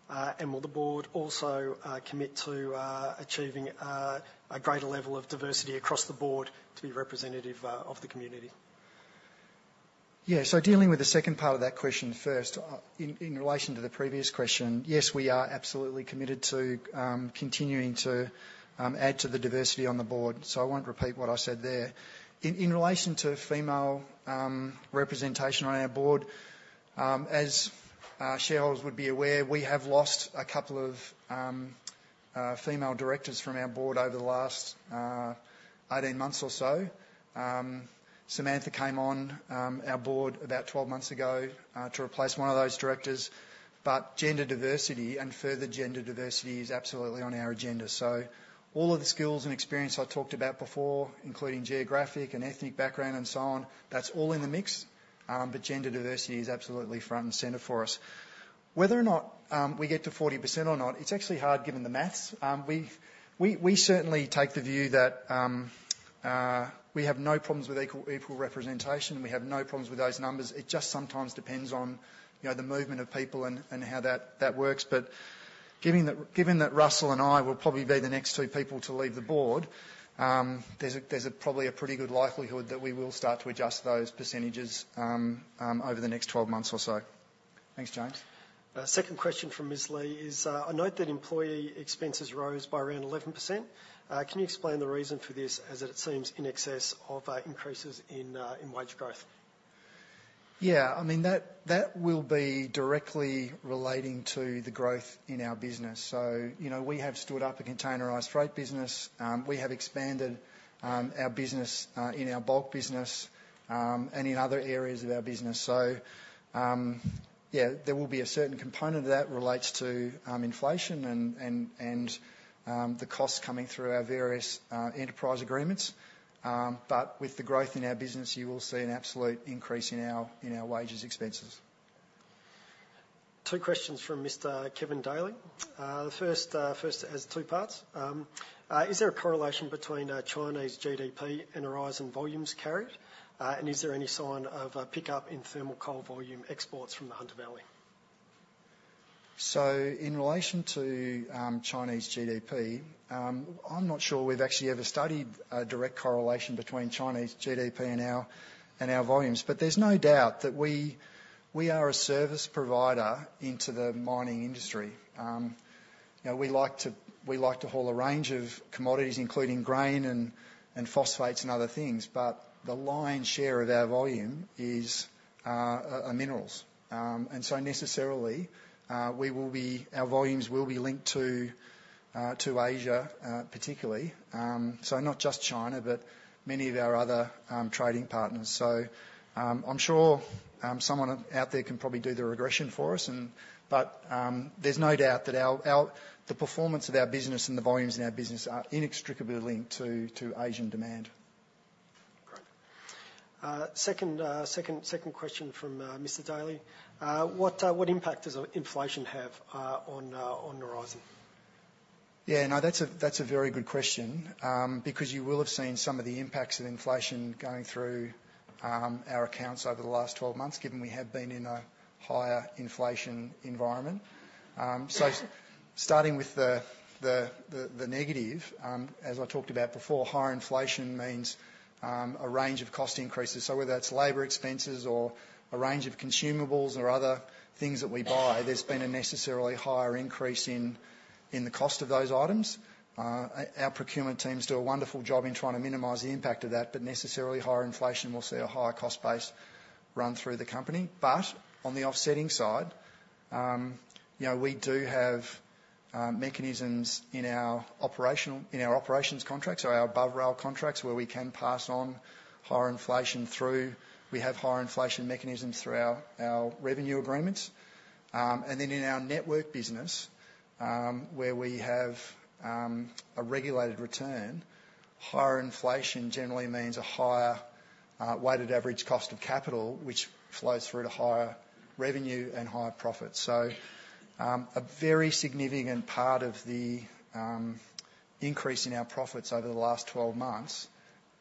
And will the board also commit to achieving a greater level of diversity across the board to be representative of the community? Yeah. So dealing with the second part of that question first. In relation to the previous question, yes, we are absolutely committed to continuing to add to the diversity on the board, so I won't repeat what I said there. In relation to female representation on our board, as shareholders would be aware, we have lost a couple of female directors from our board over the last 18 months or so. Samantha came on our board about twelve months ago to replace one of those directors. But gender diversity and further gender diversity is absolutely on our agenda. So all of the skills and experience I talked about before, including geographic and ethnic background and so on, that's all in the mix. But gender diversity is absolutely front and center for us. Whether or not we get to 40% or not, it's actually hard, given the math. We certainly take the view that we have no problems with equal representation, and we have no problems with those numbers. It just sometimes depends on, you know, the movement of people and how that works, but given that Russell and I will probably be the next two people to leave the board, there's probably a pretty good likelihood that we will start to adjust those percentages over the next 12 months or so. Thanks, James. Second question from Ms. Lee is: "I note that employee expenses rose by around 11%. Can you explain the reason for this, as it seems in excess of increases in wage growth? Yeah, I mean, that will be directly relating to the growth in our business. So, you know, we have stood up a containerised freight business. We have expanded our business in our bulk business and in other areas of our business. So, yeah, there will be a certain component of that relates to inflation and the costs coming through our various enterprise agreements. But with the growth in our business, you will see an absolute increase in our wages expenses. Two questions from Mr. Kevin Daly. The first has two parts. Is there a correlation between Chinese GDP and Aurizon volumes carried? And is there any sign of a pickup in thermal coal volume exports from the Hunter Valley? So in relation to Chinese GDP, I'm not sure we've actually ever studied a direct correlation between Chinese GDP and our volumes. But there's no doubt that we are a service provider into the mining industry. You know, we like to haul a range of commodities, including grain and phosphates and other things, but the lion's share of our volume is are minerals. And so necessarily, our volumes will be linked to Asia, particularly. So not just China, but many of our other trading partners. So, I'm sure someone out there can probably do the regression for us and... But, there's no doubt that our the performance of our business and the volumes in our business are inextricably linked to Asian demand. Great. Second question from Mr. Daly. What impact does inflation have on Aurizon? Yeah, no, that's a, that's a very good question, because you will have seen some of the impacts of inflation going through our accounts over the last 12 months, given we have been in a higher inflation environment. So starting with the negative, as I talked about before, higher inflation means a range of cost increases. So whether that's labor expenses or a range of consumables or other things that we buy, there's been a necessarily higher increase in the cost of those items. Our procurement teams do a wonderful job in trying to minimize the impact of that, but necessarily, higher inflation will see a higher cost base run through the company. But on the offsetting side, you know, we do have mechanisms in our operations contracts or our above rail contracts, where we can pass on higher inflation through. We have higher inflation mechanisms through our, our revenue agreements. And then in our network business, where we have a regulated return, higher inflation generally means a higher weighted average cost of capital, which flows through to higher revenue and higher profits. So, a very significant part of the increase in our profits over the last 12 months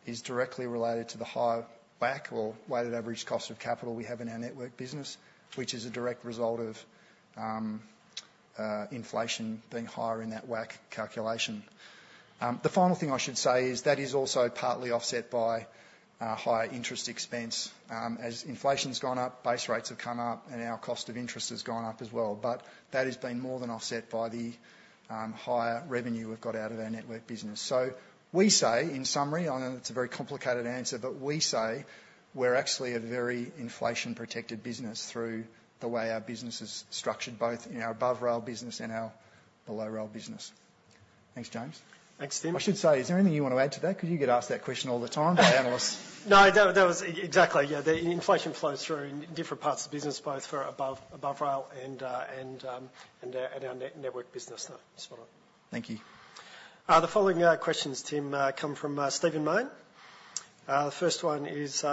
is directly related to the higher WACC, or weighted average cost of capital we have in our network business, which is a direct result of inflation being higher in that WACC calculation. The final thing I should say is that is also partly offset by higher interest expense. As inflation's gone up, base rates have come up, and our cost of interest has gone up as well. But that has been more than offset by the higher revenue we've got out of our network business. So we say, in summary, I know it's a very complicated answer, but we say we're actually a very inflation-protected business through the way our business is structured, both in our above rail business and our below rail business. Thanks, James. Thanks, Tim. I should say, is there anything you want to add to that? Because you get asked that question all the time by analysts. No, that was exactly, yeah. The inflation flows through in different parts of the business, both for above rail and our network business. No, spot on. Thank you. The following questions, Tim, come from Stephen Mayne. The first one is,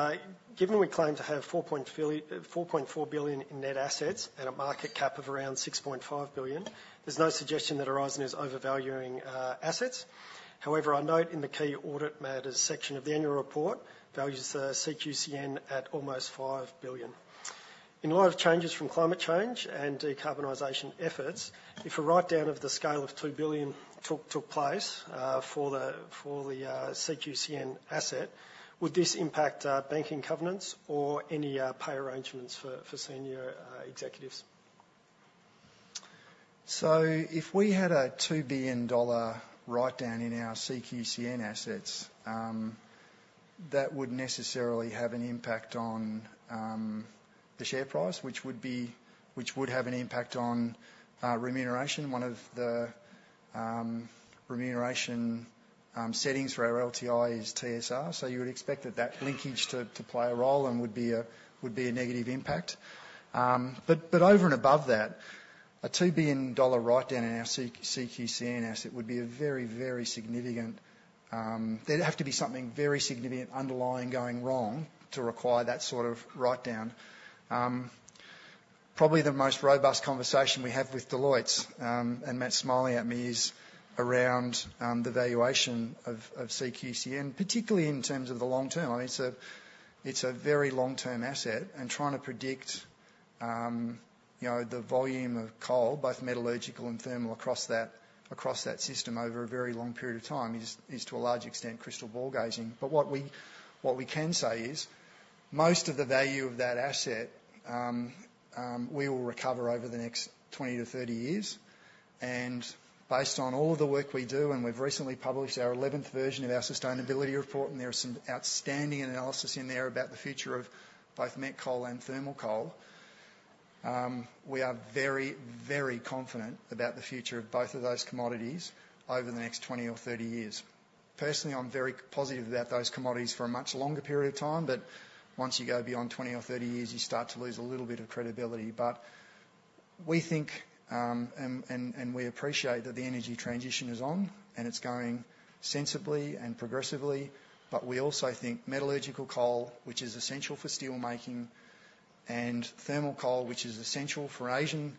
given we claim to have 4.4 billion in net assets and a market cap of around 6.5 billion, there's no suggestion that Aurizon is overvaluing assets. However, I note in the key audit matters section of the annual report, values the CQCN at almost 5 billion. In light of changes from climate change and decarbonization efforts, if a write-down of the scale of 2 billion took place, for the CQCN asset, would this impact banking covenants or any pay arrangements for senior executives? So if we had a 2 billion dollar write-down in our CQCN assets, that would necessarily have an impact on the share price, which would have an impact on remuneration. One of the remuneration settings for our LTI is TSR, so you would expect that linkage to play a role and would be a negative impact. But over and above that, a 2 billion dollar write-down in our CQCN asset would be a very, very significant. There'd have to be something very significant underlying going wrong to require that sort of write-down. Probably the most robust conversation we have with Deloitte, and Matt's smiling at me, is around the valuation of CQCN, particularly in terms of the long term. I mean, it's a very long-term asset, and trying to predict, you know, the volume of coal, both metallurgical and thermal, across that system over a very long period of time is, to a large extent, crystal ball gazing. But what we can say is, most of the value of that asset, we will recover over the next 20 to 30 years. And based on all of the work we do, and we've recently published our 11th version of our sustainability report, and there is some outstanding analysis in there about the future of both met coal and thermal coal, we are very, very confident about the future of both of those commodities over the next 20 or 30 years. Personally, I'm very positive about those commodities for a much longer period of time, but once you go beyond 20 or 30 years, you start to lose a little bit of credibility. But we think, and we appreciate that the energy transition is on, and it's going sensibly and progressively, but we also think metallurgical coal, which is essential for steelmaking, and thermal coal, which is essential for Asian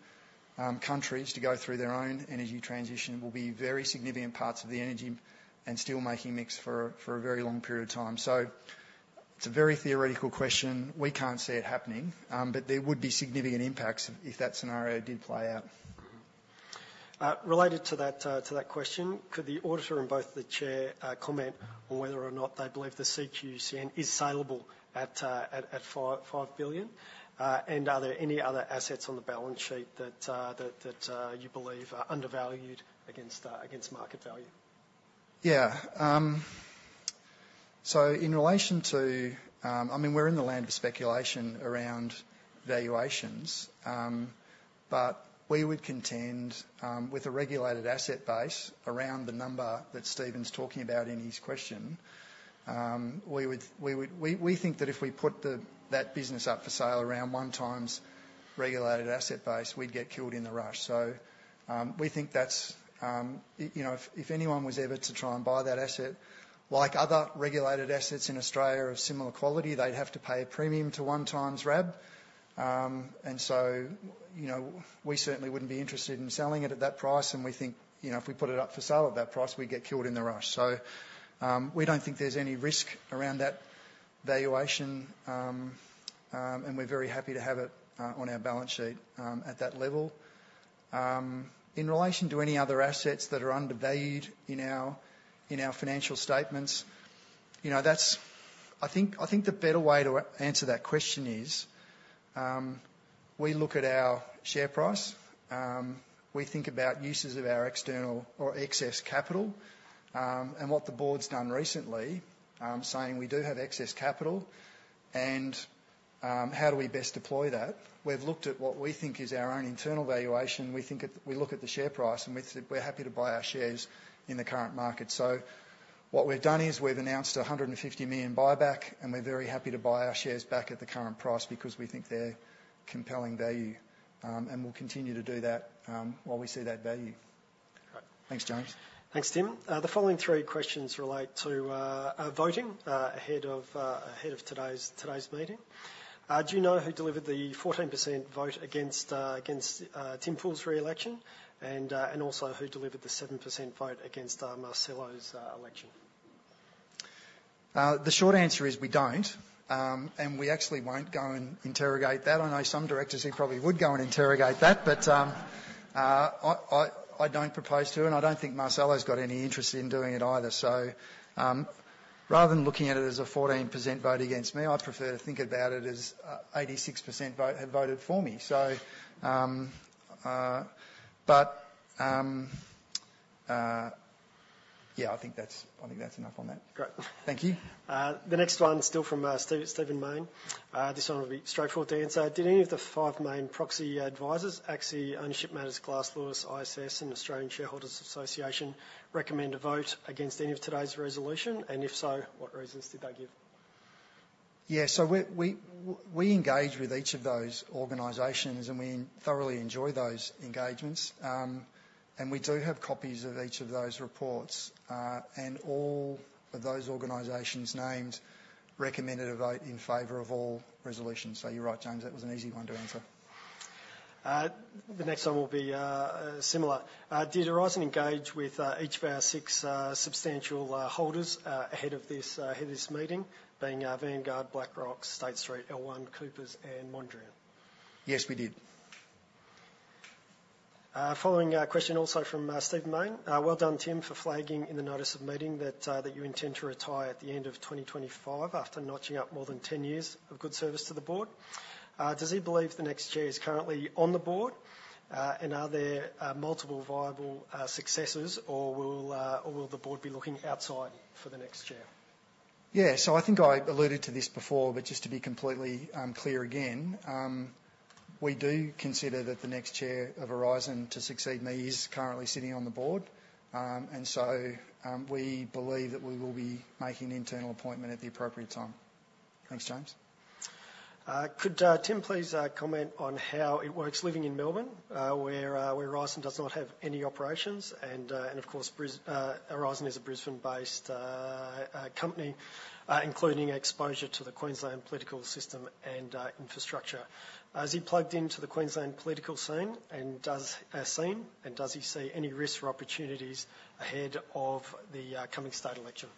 countries to go through their own energy transition, will be very significant parts of the energy and steelmaking mix for a very long period of time. It's a very theoretical question. We can't see it happening, but there would be significant impacts if that scenario did play out. Related to that question, could the auditor and the Chair comment on whether or not they believe the CQCN is saleable at 5 billion? And are there any other assets on the balance sheet that you believe are undervalued against market value? Yeah. So in relation to, I mean, we're in the land of speculation around valuations. But we would contend, with a regulated asset base around the number that Stephen's talking about in his question, we would think that if we put that business up for sale around one times regulated asset base, we'd get killed in the rush. So, we think that's, you know, if anyone was ever to try and buy that asset, like other regulated assets in Australia of similar quality, they'd have to pay a premium to one times RAB. And so, you know, we certainly wouldn't be interested in selling it at that price, and we think, you know, if we put it up for sale at that price, we'd get killed in the rush. We don't think there's any risk around that valuation, and we're very happy to have it on our balance sheet at that level. In relation to any other assets that are undervalued in our financial statements, you know, that's. I think the better way to answer that question is we look at our share price, we think about uses of our external or excess capital, and what the board's done recently saying we do have excess capital, and how do we best deploy that. We've looked at what we think is our own internal valuation. We think we look at the share price, and we said we're happy to buy our shares in the current market. So what we've done is we've announced 150 million buyback, and we're very happy to buy our shares back at the current price because we think they're compelling value, and we'll continue to do that while we see that value. Great. Thanks, James. Thanks, Tim. The following three questions relate to voting ahead of today's meeting. Do you know who delivered the 14% vote against Tim Poole's re-election, and also who delivered the 7% vote against Marcelo's election? The short answer is we don't, and we actually won't go and interrogate that. I know some directors who probably would go and interrogate that, but I don't propose to, and I don't think Marcelo's got any interest in doing it either. So, rather than looking at it as a 14% vote against me, I prefer to think about it as 86% vote have voted for me. So, but yeah, I think that's, I think that's enough on that. Great. Thank you. The next one, still from Stephen Mayne. This one will be straightforward to answer. Did any of the five main proxy advisors, ACSI, Ownership Matters, Glass Lewis, ISS, and Australian Shareholders' Association, recommend a vote against any of today's resolution? And if so, what reasons did they give? Yeah, so we engage with each of those organizations, and we thoroughly enjoy those engagements. And we do have copies of each of those reports, and all of those organizations named recommended a vote in favor of all resolutions. So you're right, James, that was an easy one to answer. The next one will be similar. Did Aurizon engage with each of our six substantial holders ahead of this meeting, being Vanguard, BlackRock, State Street, L1, Coopers, and Mondrian? Yes, we did. Following question also from Stephen Mayne. Well done, Tim, for flagging in the notice of meeting that you intend to retire at the end of 2024 after notching up more than ten years of good service to the board. Does he believe the next chair is currently on the board? And are there multiple viable successors, or will the board be looking outside for the next chair? Yeah, so I think I alluded to this before, but just to be completely clear again, we do consider that the next chair of Aurizon to succeed me is currently sitting on the board. And so, we believe that we will be making an internal appointment at the appropriate time. Thanks, James. Could Tim please comment on how it works living in Melbourne, where Aurizon does not have any operations, and of course, Aurizon is a Brisbane-based company, including exposure to the Queensland political system and infrastructure. Is he plugged into the Queensland political scene, and does he see any risks or opportunities ahead of the coming state election?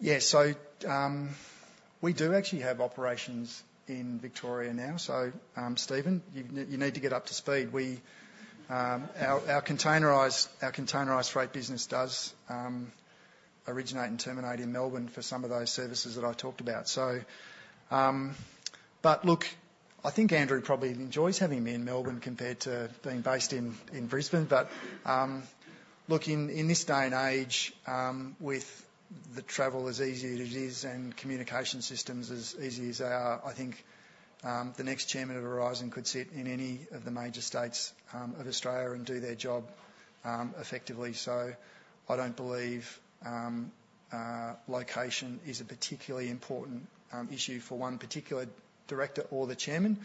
Yeah. So, we do actually have operations in Victoria now. So, Stephen, you need to get up to speed. We, our containerised freight business does originate and terminate in Melbourne for some of those services that I talked about. So, but look, I think Andrew probably enjoys having me in Melbourne compared to being based in Brisbane. But, look, in this day and age, with the travel as easy as it is and communication systems as easy as they are, I think the next chairman of Aurizon could sit in any of the major states of Australia and do their job effectively. So I don't believe location is a particularly important issue for one particular director or the chairman.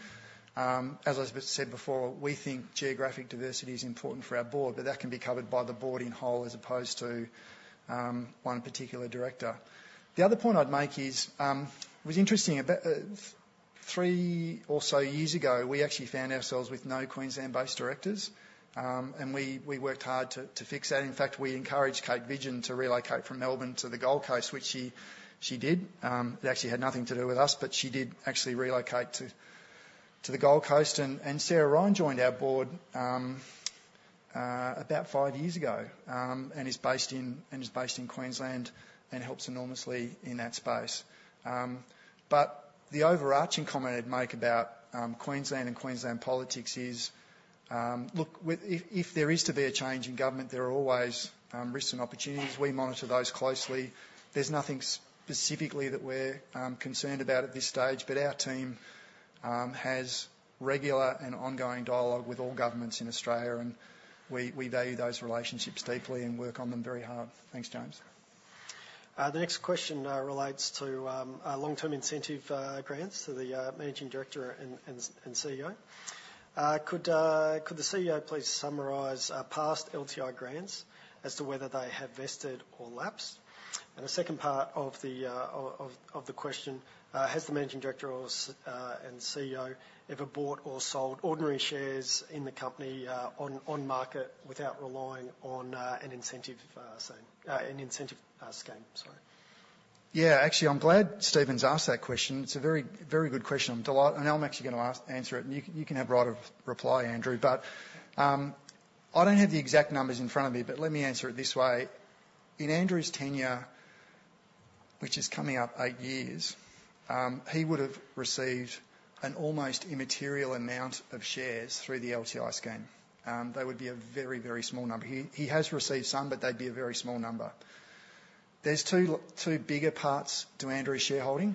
As I've said before, we think geographic diversity is important for our board, but that can be covered by the board in whole, as opposed to one particular director. The other point I'd make is it was interesting three or so years ago, we actually found ourselves with no Queensland-based directors, and we worked hard to fix that. In fact, we encouraged Kate Vidgen to relocate from Melbourne to the Gold Coast, which she did. It actually had nothing to do with us, but she did actually relocate to the Gold Coast. Sarah Ryan joined our board about five years ago, and is based in Queensland and helps enormously in that space. But the overarching comment I'd make about Queensland and Queensland politics is, look, if there is to be a change in government, there are always risks and opportunities. We monitor those closely. There's nothing specifically that we're concerned about at this stage, but our team has regular and ongoing dialogue with all governments in Australia, and we value those relationships deeply and work on them very hard. Thanks, James. The next question relates to long-term incentive grants to the Managing Director and CEO. Could the CEO please summarize past LTI grants as to whether they have vested or lapsed? And the second part of the question: has the Managing Director and CEO ever bought or sold ordinary shares in the company on market without relying on an incentive scheme, sorry? Yeah. Actually, I'm glad Stephen's asked that question. It's a very, very good question. I'm delighted, and I'm actually gonna answer it, and you can have right of reply, Andrew. But, I don't have the exact numbers in front of me, but let me answer it this way. In Andrew's tenure, which is coming up eight years, he would've received an almost immaterial amount of shares through the LTI scheme. They would be a very, very small number. He has received some, but they'd be a very small number. There's two bigger parts to Andrew's shareholding.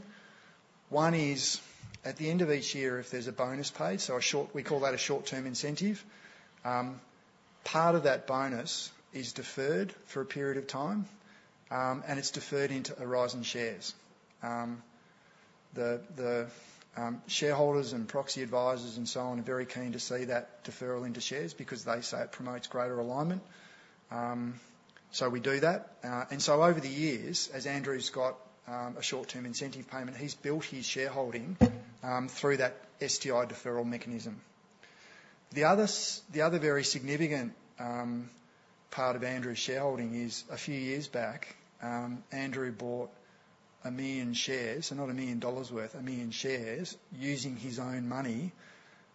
One is, at the end of each year, if there's a bonus paid, so a short-term incentive. Part of that bonus is deferred for a period of time, and it's deferred into Aurizon shares. The shareholders and proxy advisors and so on are very keen to see that deferral into shares because they say it promotes greater alignment. So we do that. And so over the years, as Andrew's got a short-term incentive payment, he's built his shareholding through that STI deferral mechanism. The other very significant part of Andrew's shareholding is, a few years back, Andrew bought a million shares, so not a million dollars worth, a million shares, using his own money.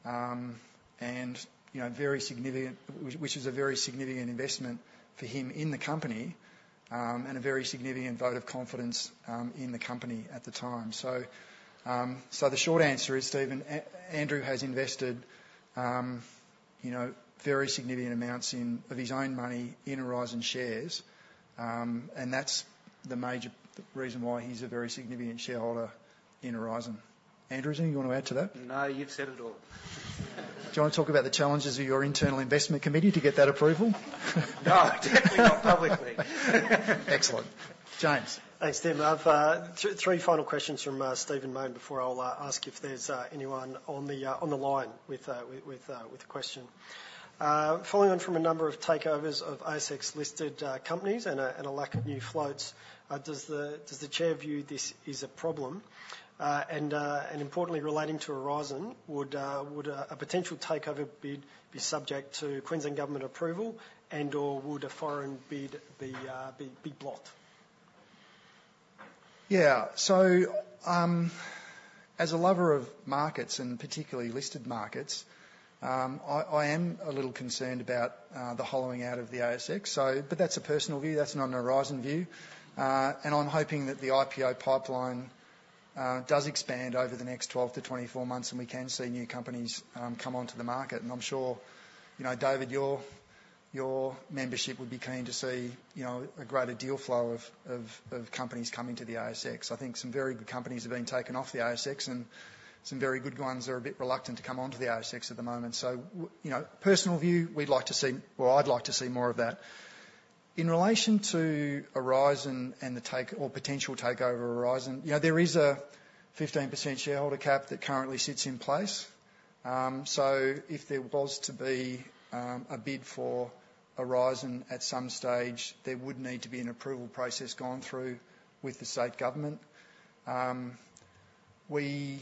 And, you know, very significant, which is a very significant investment for him in the company, and a very significant vote of confidence in the company at the time. So, the short answer is, Stephen, Andrew has invested, you know, very significant amounts in, of his own money in Aurizon shares. And that's the major reason why he's a very significant shareholder in Aurizon. Andrew, is there anything you want to add to that? No, you've said it all. Do you want to talk about the challenges of your internal investment committee to get that approval? No, definitely not publicly. Excellent. James? Thanks, Steven. I've three final questions from Stephen Mayne before I'll ask if there's anyone on the line with a question. Following on from a number of takeovers of ASX-listed companies and a lack of new floats, does the chair view this is a problem? And importantly, relating to Aurizon, would a potential takeover bid be subject to Queensland Government approval? And/or would a foreign bid be blocked? Yeah. So, as a lover of markets, and particularly listed markets, I am a little concerned about the hollowing out of the ASX. But that's a personal view, that's not an Aurizon view. And I'm hoping that the IPO pipeline does expand over the next 12 to 24 months, and we can see new companies come onto the market. And I'm sure, you know, David, your membership would be keen to see, you know, a greater deal flow of companies coming to the ASX. I think some very good companies have been taken off the ASX, and some very good ones are a bit reluctant to come onto the ASX at the moment. So you know, personal view, we'd like to see, well, I'd like to see more of that. In relation to Aurizon and the take or potential takeover of Aurizon, you know, there is a 15% shareholder cap that currently sits in place. So if there was to be a bid for Aurizon at some stage, there would need to be an approval process gone through with the state government. We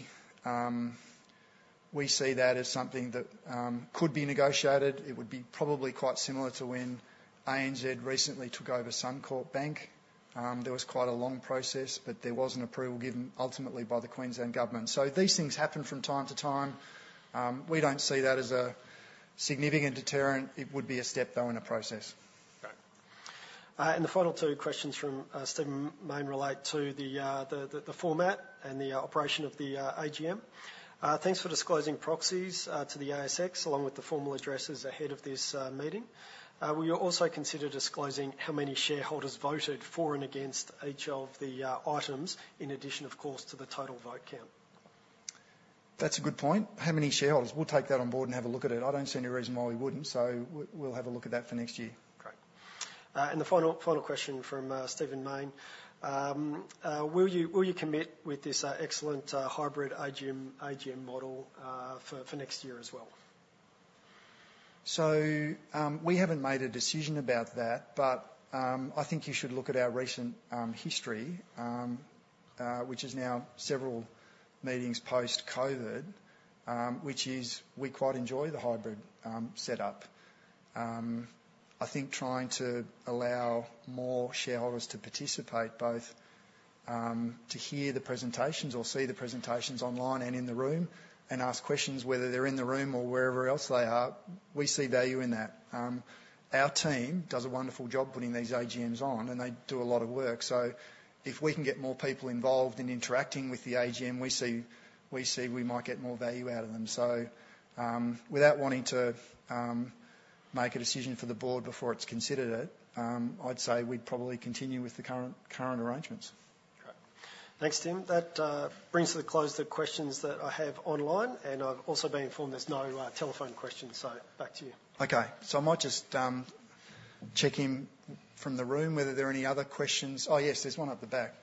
see that as something that could be negotiated. It would be probably quite similar to when ANZ recently took over Suncorp Bank. There was quite a long process, but there was an approval given ultimately by the Queensland Government. So these things happen from time to time. We don't see that as a significant deterrent. It would be a step, though, in a process. Great. And the final two questions from Stephen Mayne relate to the format and the operation of the AGM. Thanks for disclosing proxies to the ASX, along with the formal addresses ahead of this meeting. Will you also consider disclosing how many shareholders voted for and against each of the items, in addition, of course, to the total vote count? That's a good point. How many shareholders? We'll take that on board and have a look at it. I don't see any reason why we wouldn't, so we'll have a look at that for next year. Great. And the final, final question from Stephen Mayne. Will you commit with this excellent hybrid AGM, AGM model for next year as well? So we haven't made a decision about that, but I think you should look at our recent history, which is now several meetings post-COVID, which is we quite enjoy the hybrid setup. I think trying to allow more shareholders to participate, both to hear the presentations or see the presentations online and in the room, and ask questions, whether they're in the room or wherever else they are, we see value in that. Our team does a wonderful job putting these AGMs on, and they do a lot of work. So if we can get more people involved in interacting with the AGM, we see we might get more value out of them. Without wanting to make a decision for the board before it's considered, I'd say we'd probably continue with the current arrangements. Great. Thanks, Tim. That brings to the close the questions that I have online, and I've also been informed there's no telephone questions, so back to you. Okay, so I might just check in from the room whether there are any other questions. Oh, yes, there's one at the back.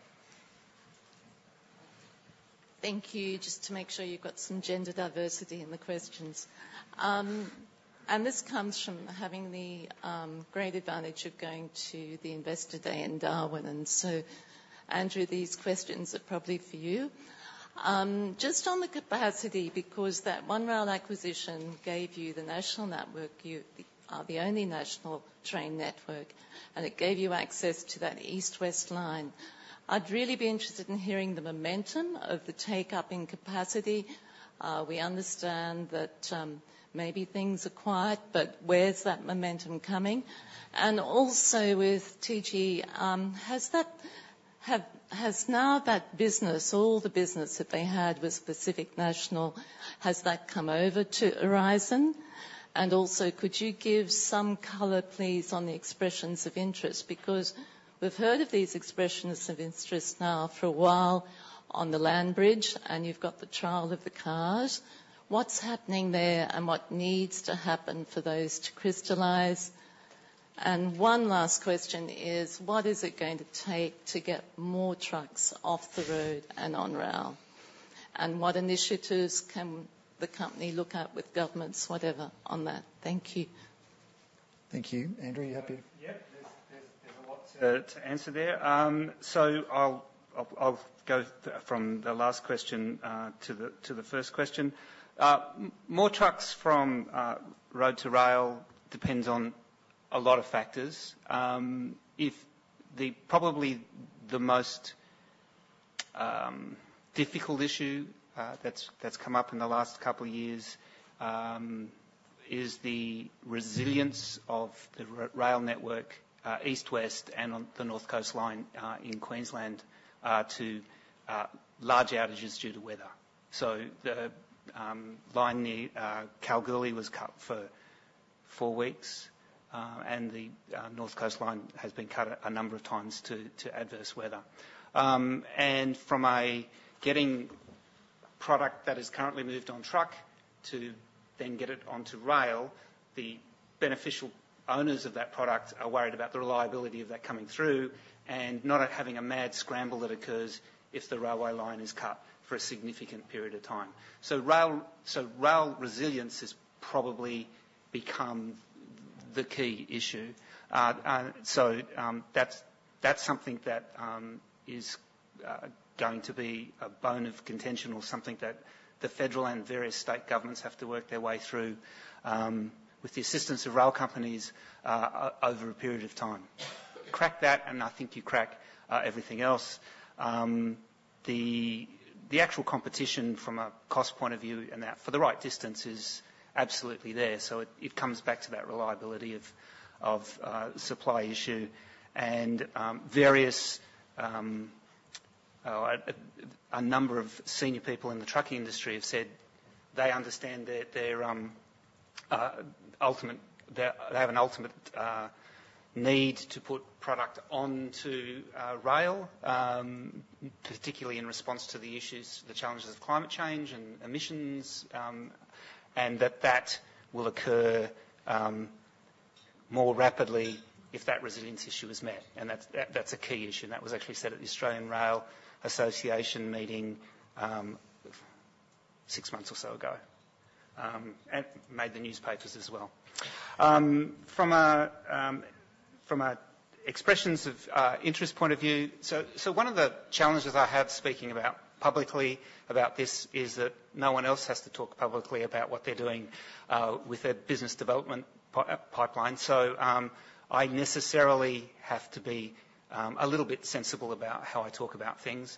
Thank you. Just to make sure you've got some gender diversity in the questions, and this comes from having the great advantage of going to the Investor Day in Darwin, and so Andrew, these questions are probably for you. Just on the capacity, because that One Rail acquisition gave you the national network, you are the only national train network, and it gave you access to that East-West line. I'd really be interested in hearing the momentum of the take-up in capacity. We understand that maybe things are quiet, but where's that momentum coming? And also with TGE, has now that business, all the business that they had with Pacific National, come over to Aurizon? And also, could you give some color, please, on the expressions of interest? Because we've heard of these expressions of interest now for a while on the land bridge, and you've got the trial of the cars. What's happening there, and what needs to happen for those to crystallize? And one last question is, what is it going to take to get more trucks off the road and on rail? And what initiatives can the company look at with governments, whatever, on that? Thank you. Thank you. Andrew, you happy? Yeah. There's a lot to answer there. So I'll go from the last question to the first question. More trucks from road to rail depends on a lot of factors. If the... Probably the most difficult issue that's come up in the last couple of years is the resilience of the rail network, East-West and on the North Coast line in Queensland to large outages due to weather. So the line near Kalgoorlie was cut for four weeks, and the North Coast line has been cut a number of times to adverse weather. And from a getting product that is currently moved on truck to then get it onto rail, the beneficial owners of that product are worried about the reliability of that coming through and not having a mad scramble that occurs if the railway line is cut for a significant period of time. So rail resilience has probably become the key issue. And so that's something that is going to be a bone of contention or something that the federal and various state governments have to work their way through with the assistance of rail companies over a period of time. Crack that, and I think you crack everything else. The actual competition from a cost point of view and that, for the right distance is absolutely there. So it comes back to that reliability of supply issue. And a number of senior people in the trucking industry have said they understand that their ultimate need to put product onto rail, particularly in response to the issues, the challenges of climate change and emissions, and that will occur more rapidly if that resilience issue is met. And that's a key issue, and that was actually said at the Australian Rail Association meeting six months or so ago, and made the newspapers as well. From a expressions of interest point of view. One of the challenges I have speaking about publicly about this is that no one else has to talk publicly about what they're doing with their business development pipeline. I necessarily have to be a little bit sensible about how I talk about things.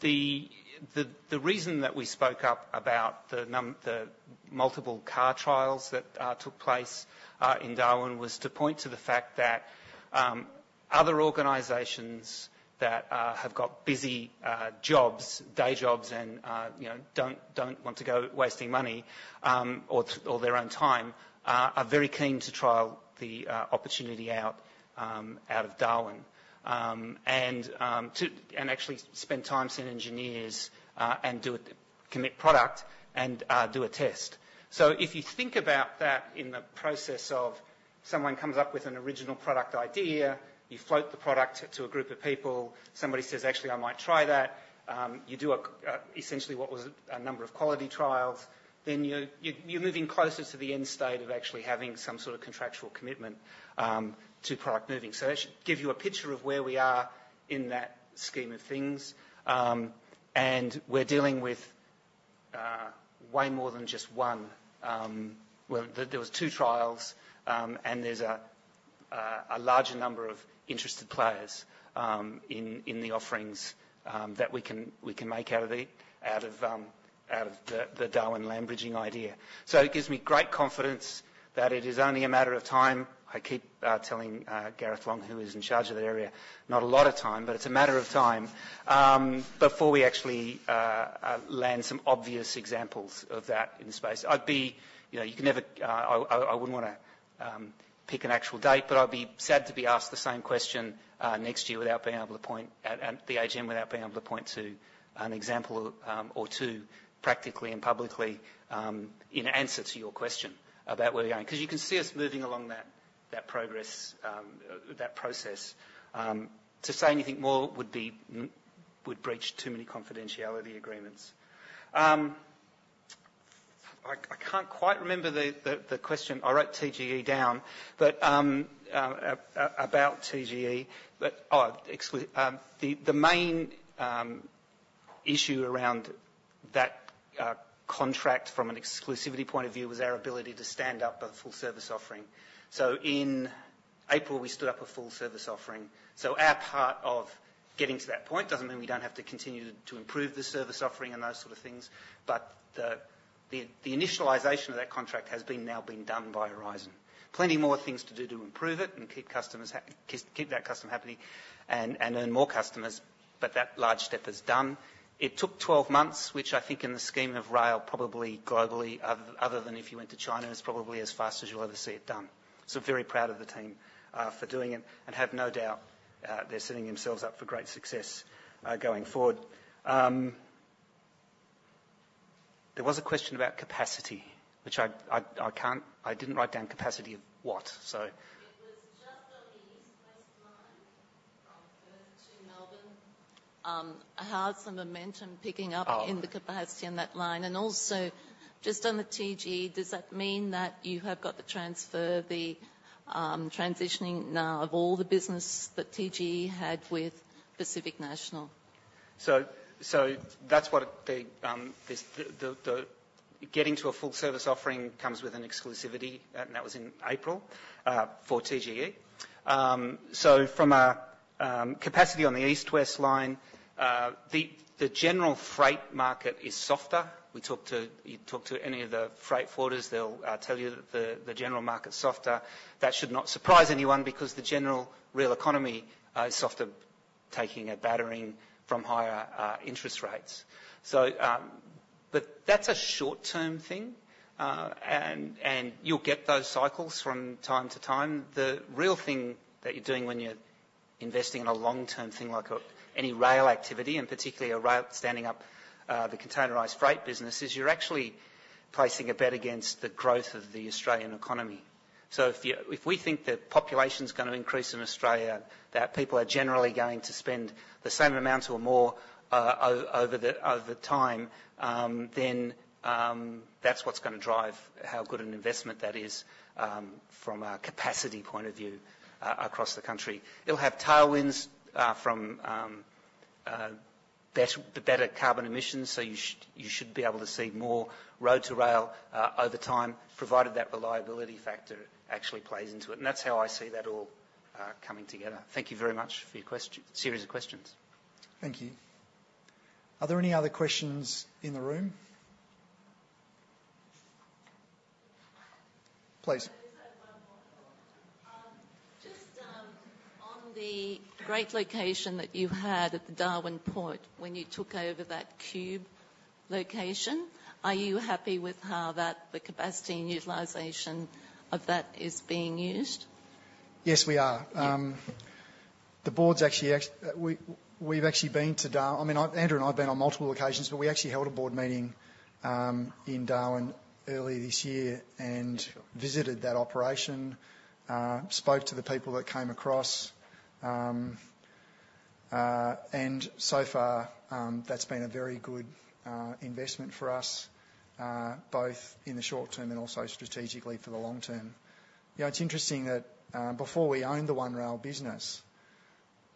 The reason that we spoke up about the multiple car trials that took place in Darwin was to point to the fact that other organizations that have got busy day jobs and you know don't want to go wasting money or their own time are very keen to trial the opportunity out of Darwin and actually spend time, send engineers and do it, commit product, and do a test. So if you think about that in the process of someone comes up with an original product idea, you float the product to a group of people, somebody says, "Actually, I might try that." You do essentially what was a number of quality trials, then you're moving closer to the end state of actually having some sort of contractual commitment to product moving, so that should give you a picture of where we are in that scheme of things. And we're dealing with way more than just one, well, there was two trials, and there's a larger number of interested players in the offerings that we can make out of the Darwin land bridging idea. So it gives me great confidence that it is only a matter of time. I keep telling Gareth Long, who is in charge of that area, not a lot of time, but it's a matter of time before we actually land some obvious examples of that in the space. I'd be... You know, you can never... I wouldn't wanna pick an actual date, but I'd be sad to be asked the same question next year, without being able to point... At the AGM, without being able to point to an example or two practically and publicly in answer to your question about where we're going. 'Cause you can see us moving along that progress, that process. To say anything more would breach too many confidentiality agreements. I can't quite remember the question. I wrote TGE down, but about TGE. The main issue around that contract from an exclusivity point of view was our ability to stand up a full service offering. So in April, we stood up a full service offering. So our part of getting to that point doesn't mean we don't have to continue to improve the service offering and those sort of things, but the initialization of that contract has now been done by Aurizon. Plenty more things to do to improve it and keep that customer happy and earn more customers, but that large step is done. It took 12 months, which I think in the scheme of rail, probably globally, other than if you went to China, is probably as fast as you'll ever see it done. So very proud of the team for doing it, and have no doubt they're setting themselves up for great success going forward. There was a question about capacity, which I can't... I didn't write down capacity of what? So. It was just on the east-west line from Perth to Melbourne. How is the momentum picking up- Oh. In the capacity on that line? And also, just on the TGE, does that mean that you have got to transfer the transitioning now of all the business that TGE had with Pacific National? So that's what the getting to a full service offering comes with an exclusivity, and that was in April for TGE. From a capacity on the East-West line, the general freight market is softer. You talk to any of the freight forwarders, they'll tell you that the general market's softer. That should not surprise anyone, because the general real economy is softer, taking a battering from higher interest rates. But that's a short-term thing. You'll get those cycles from time to time. The real thing that you're doing when you're investing in a long-term thing, like any rail activity, and particularly a rail standing up the containerised freight business, is you're actually placing a bet against the growth of the Australian economy. So if you, if we think the population's gonna increase in Australia, that people are generally going to spend the same amount or more, over time, then that's what's gonna drive how good an investment that is, from a capacity point of view across the country. It'll have tailwinds from the better carbon emissions, so you should be able to see more road to rail over time, provided that reliability factor actually plays into it, and that's how I see that all coming together. Thank you very much for your series of questions. Thank you. Are there any other questions in the room? Please. Just one more. Just on the great location that you had at the Darwin Port when you took over that Qube location, are you happy with how that, the capacity and utilization of that is being used? Yes, we are. Yeah. The board's actually, we, we've actually been to Darwin. I mean, I, Andrew and I have been on multiple occasions, but we actually held a board meeting in Darwin early this year and visited that operation, spoke to the people that came across. And so far, that's been a very good investment for us, both in the short term and also strategically for the long term. You know, it's interesting that, before we owned the One Rail business,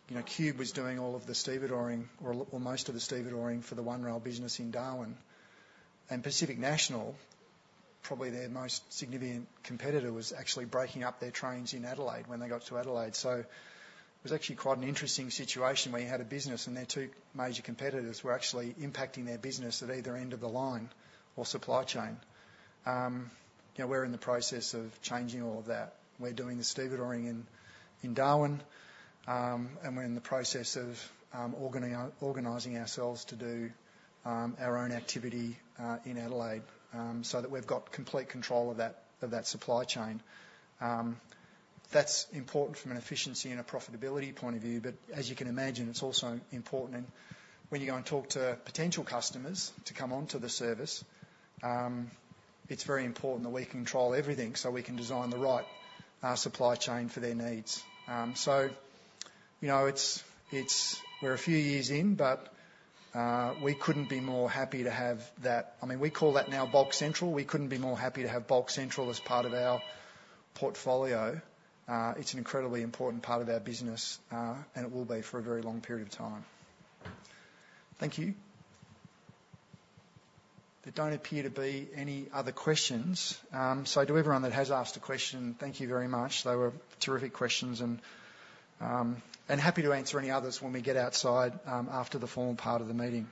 you know, Qube was doing all of the stevedoring, or most of the stevedoring for the One Rail business in Darwin. And Pacific National, probably their most significant competitor, was actually breaking up their trains in Adelaide when they got to Adelaide. So it was actually quite an interesting situation, where you had a business and their two major competitors were actually impacting their business at either end of the line or supply chain. You know, we're in the process of changing all of that. We're doing the stevedoring in Darwin, and we're in the process of organizing ourselves to do our own activity in Adelaide, so that we've got complete control of that, of that supply chain. That's important from an efficiency and a profitability point of view, but as you can imagine, it's also important when you go and talk to potential customers to come onto the service. It's very important that we control everything, so we can design the right supply chain for their needs. So, you know, it's-- We're a few years in, but, we couldn't be more happy to have that. I mean, we call that now Bulk Central. We couldn't be more happy to have Bulk Central as part of our portfolio. It's an incredibly important part of our business, and it will be for a very long period of time. Thank you. There don't appear to be any other questions. So to everyone that has asked a question, thank you very much. They were terrific questions, and, and happy to answer any others when we get outside, after the forum part of the meeting.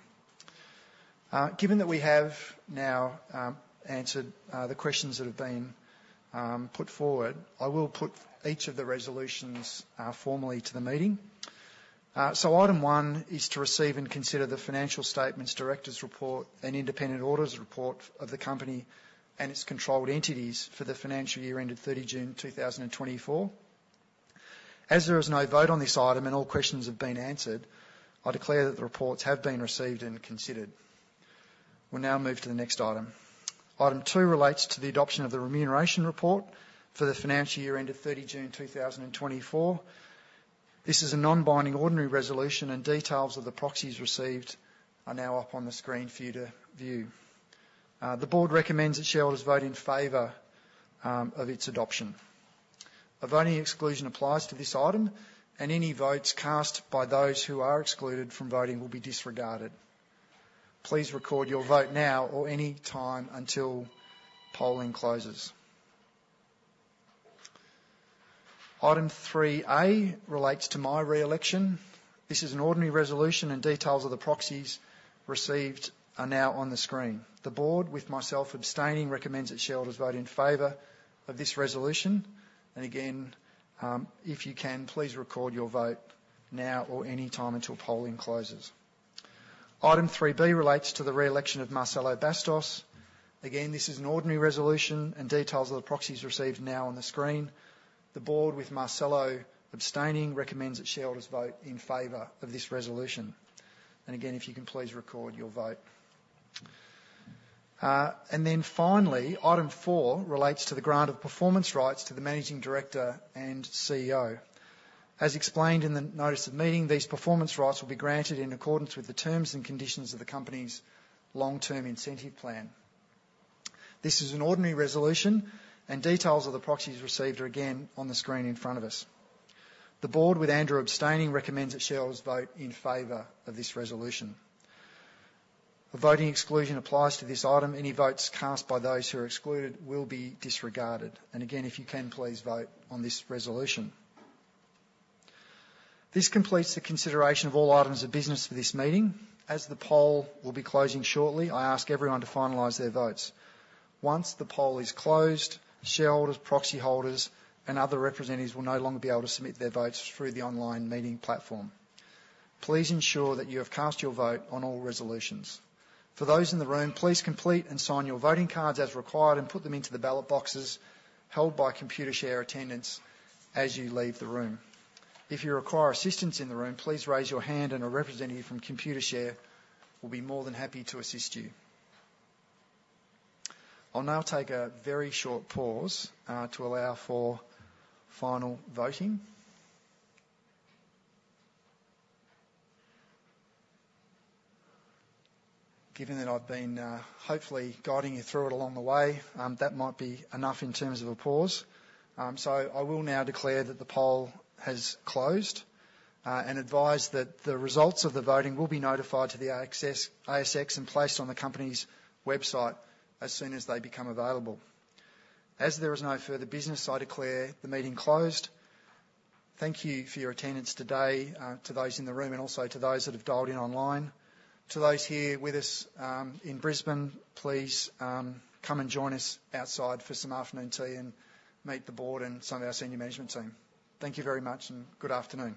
Given that we have now, answered, the questions that have been, put forward, I will put each of the resolutions, formally to the meeting. So item one is to receive and consider the financial statements, Directors' Report, and Independent Auditor's Report of the company and its controlled entities for the financial year ended 30 June ,2024. As there is no vote on this item and all questions have been answered, I declare that the reports have been received and considered. We'll now move to the next item. Item two relates to the adoption of the remuneration report for the financial year ended 30 June, 2024. This is a non-binding ordinary resolution, and details of the proxies received are now up on the screen for you to view. The Board recommends that shareholders vote in favor of its adoption. A voting exclusion applies to this item, and any votes cast by those who are excluded from voting will be disregarded. Please record your vote now or any time until polling closes. Item three A relates to my re-election. This is an ordinary resolution, and details of the proxies received are now on the screen. The Board, with myself abstaining, recommends that shareholders vote in favor of this resolution. And again, if you can, please record your vote now or any time until polling closes. Item three B relates to the re-election of Marcelo Bastos. Again, this is an ordinary resolution, and details of the proxies received are now on the screen. The Board, with Marcelo abstaining, recommends that shareholders vote in favor of this resolution. And again, if you can please record your vote. And then finally, item four relates to the grant of performance rights to the Managing Director and CEO. As explained in the notice of meeting, these performance rights will be granted in accordance with the terms and conditions of the company's Long-Term Incentive Plan. This is an ordinary resolution, and details of the proxies received are again on the screen in front of us. The Board, with Andrew abstaining, recommends that shareholders vote in favor of this resolution. A voting exclusion applies to this item. Any votes cast by those who are excluded will be disregarded, and again, if you can, please vote on this resolution. This completes the consideration of all items of business for this meeting. As the poll will be closing shortly, I ask everyone to finalize their votes. Once the poll is closed, shareholders, proxy holders, and other representatives will no longer be able to submit their votes through the online meeting platform. Please ensure that you have cast your vote on all resolutions. For those in the room, please complete and sign your voting cards as required and put them into the ballot boxes held by Computershare attendants as you leave the room. If you require assistance in the room, please raise your hand, and a representative from Computershare will be more than happy to assist you. I'll now take a very short pause to allow for final voting. Given that I've been hopefully guiding you through it along the way, that might be enough in terms of a pause, so I will now declare that the poll has closed, and advise that the results of the voting will be notified to the ASX, and placed on the company's website as soon as they become available. As there is no further business, I declare the meeting closed. Thank you for your attendance today to those in the room and also to those that have dialed in online. To those here with us in Brisbane, please come and join us outside for some afternoon tea and meet the Board and some of our senior management team. Thank you very much, and good afternoon.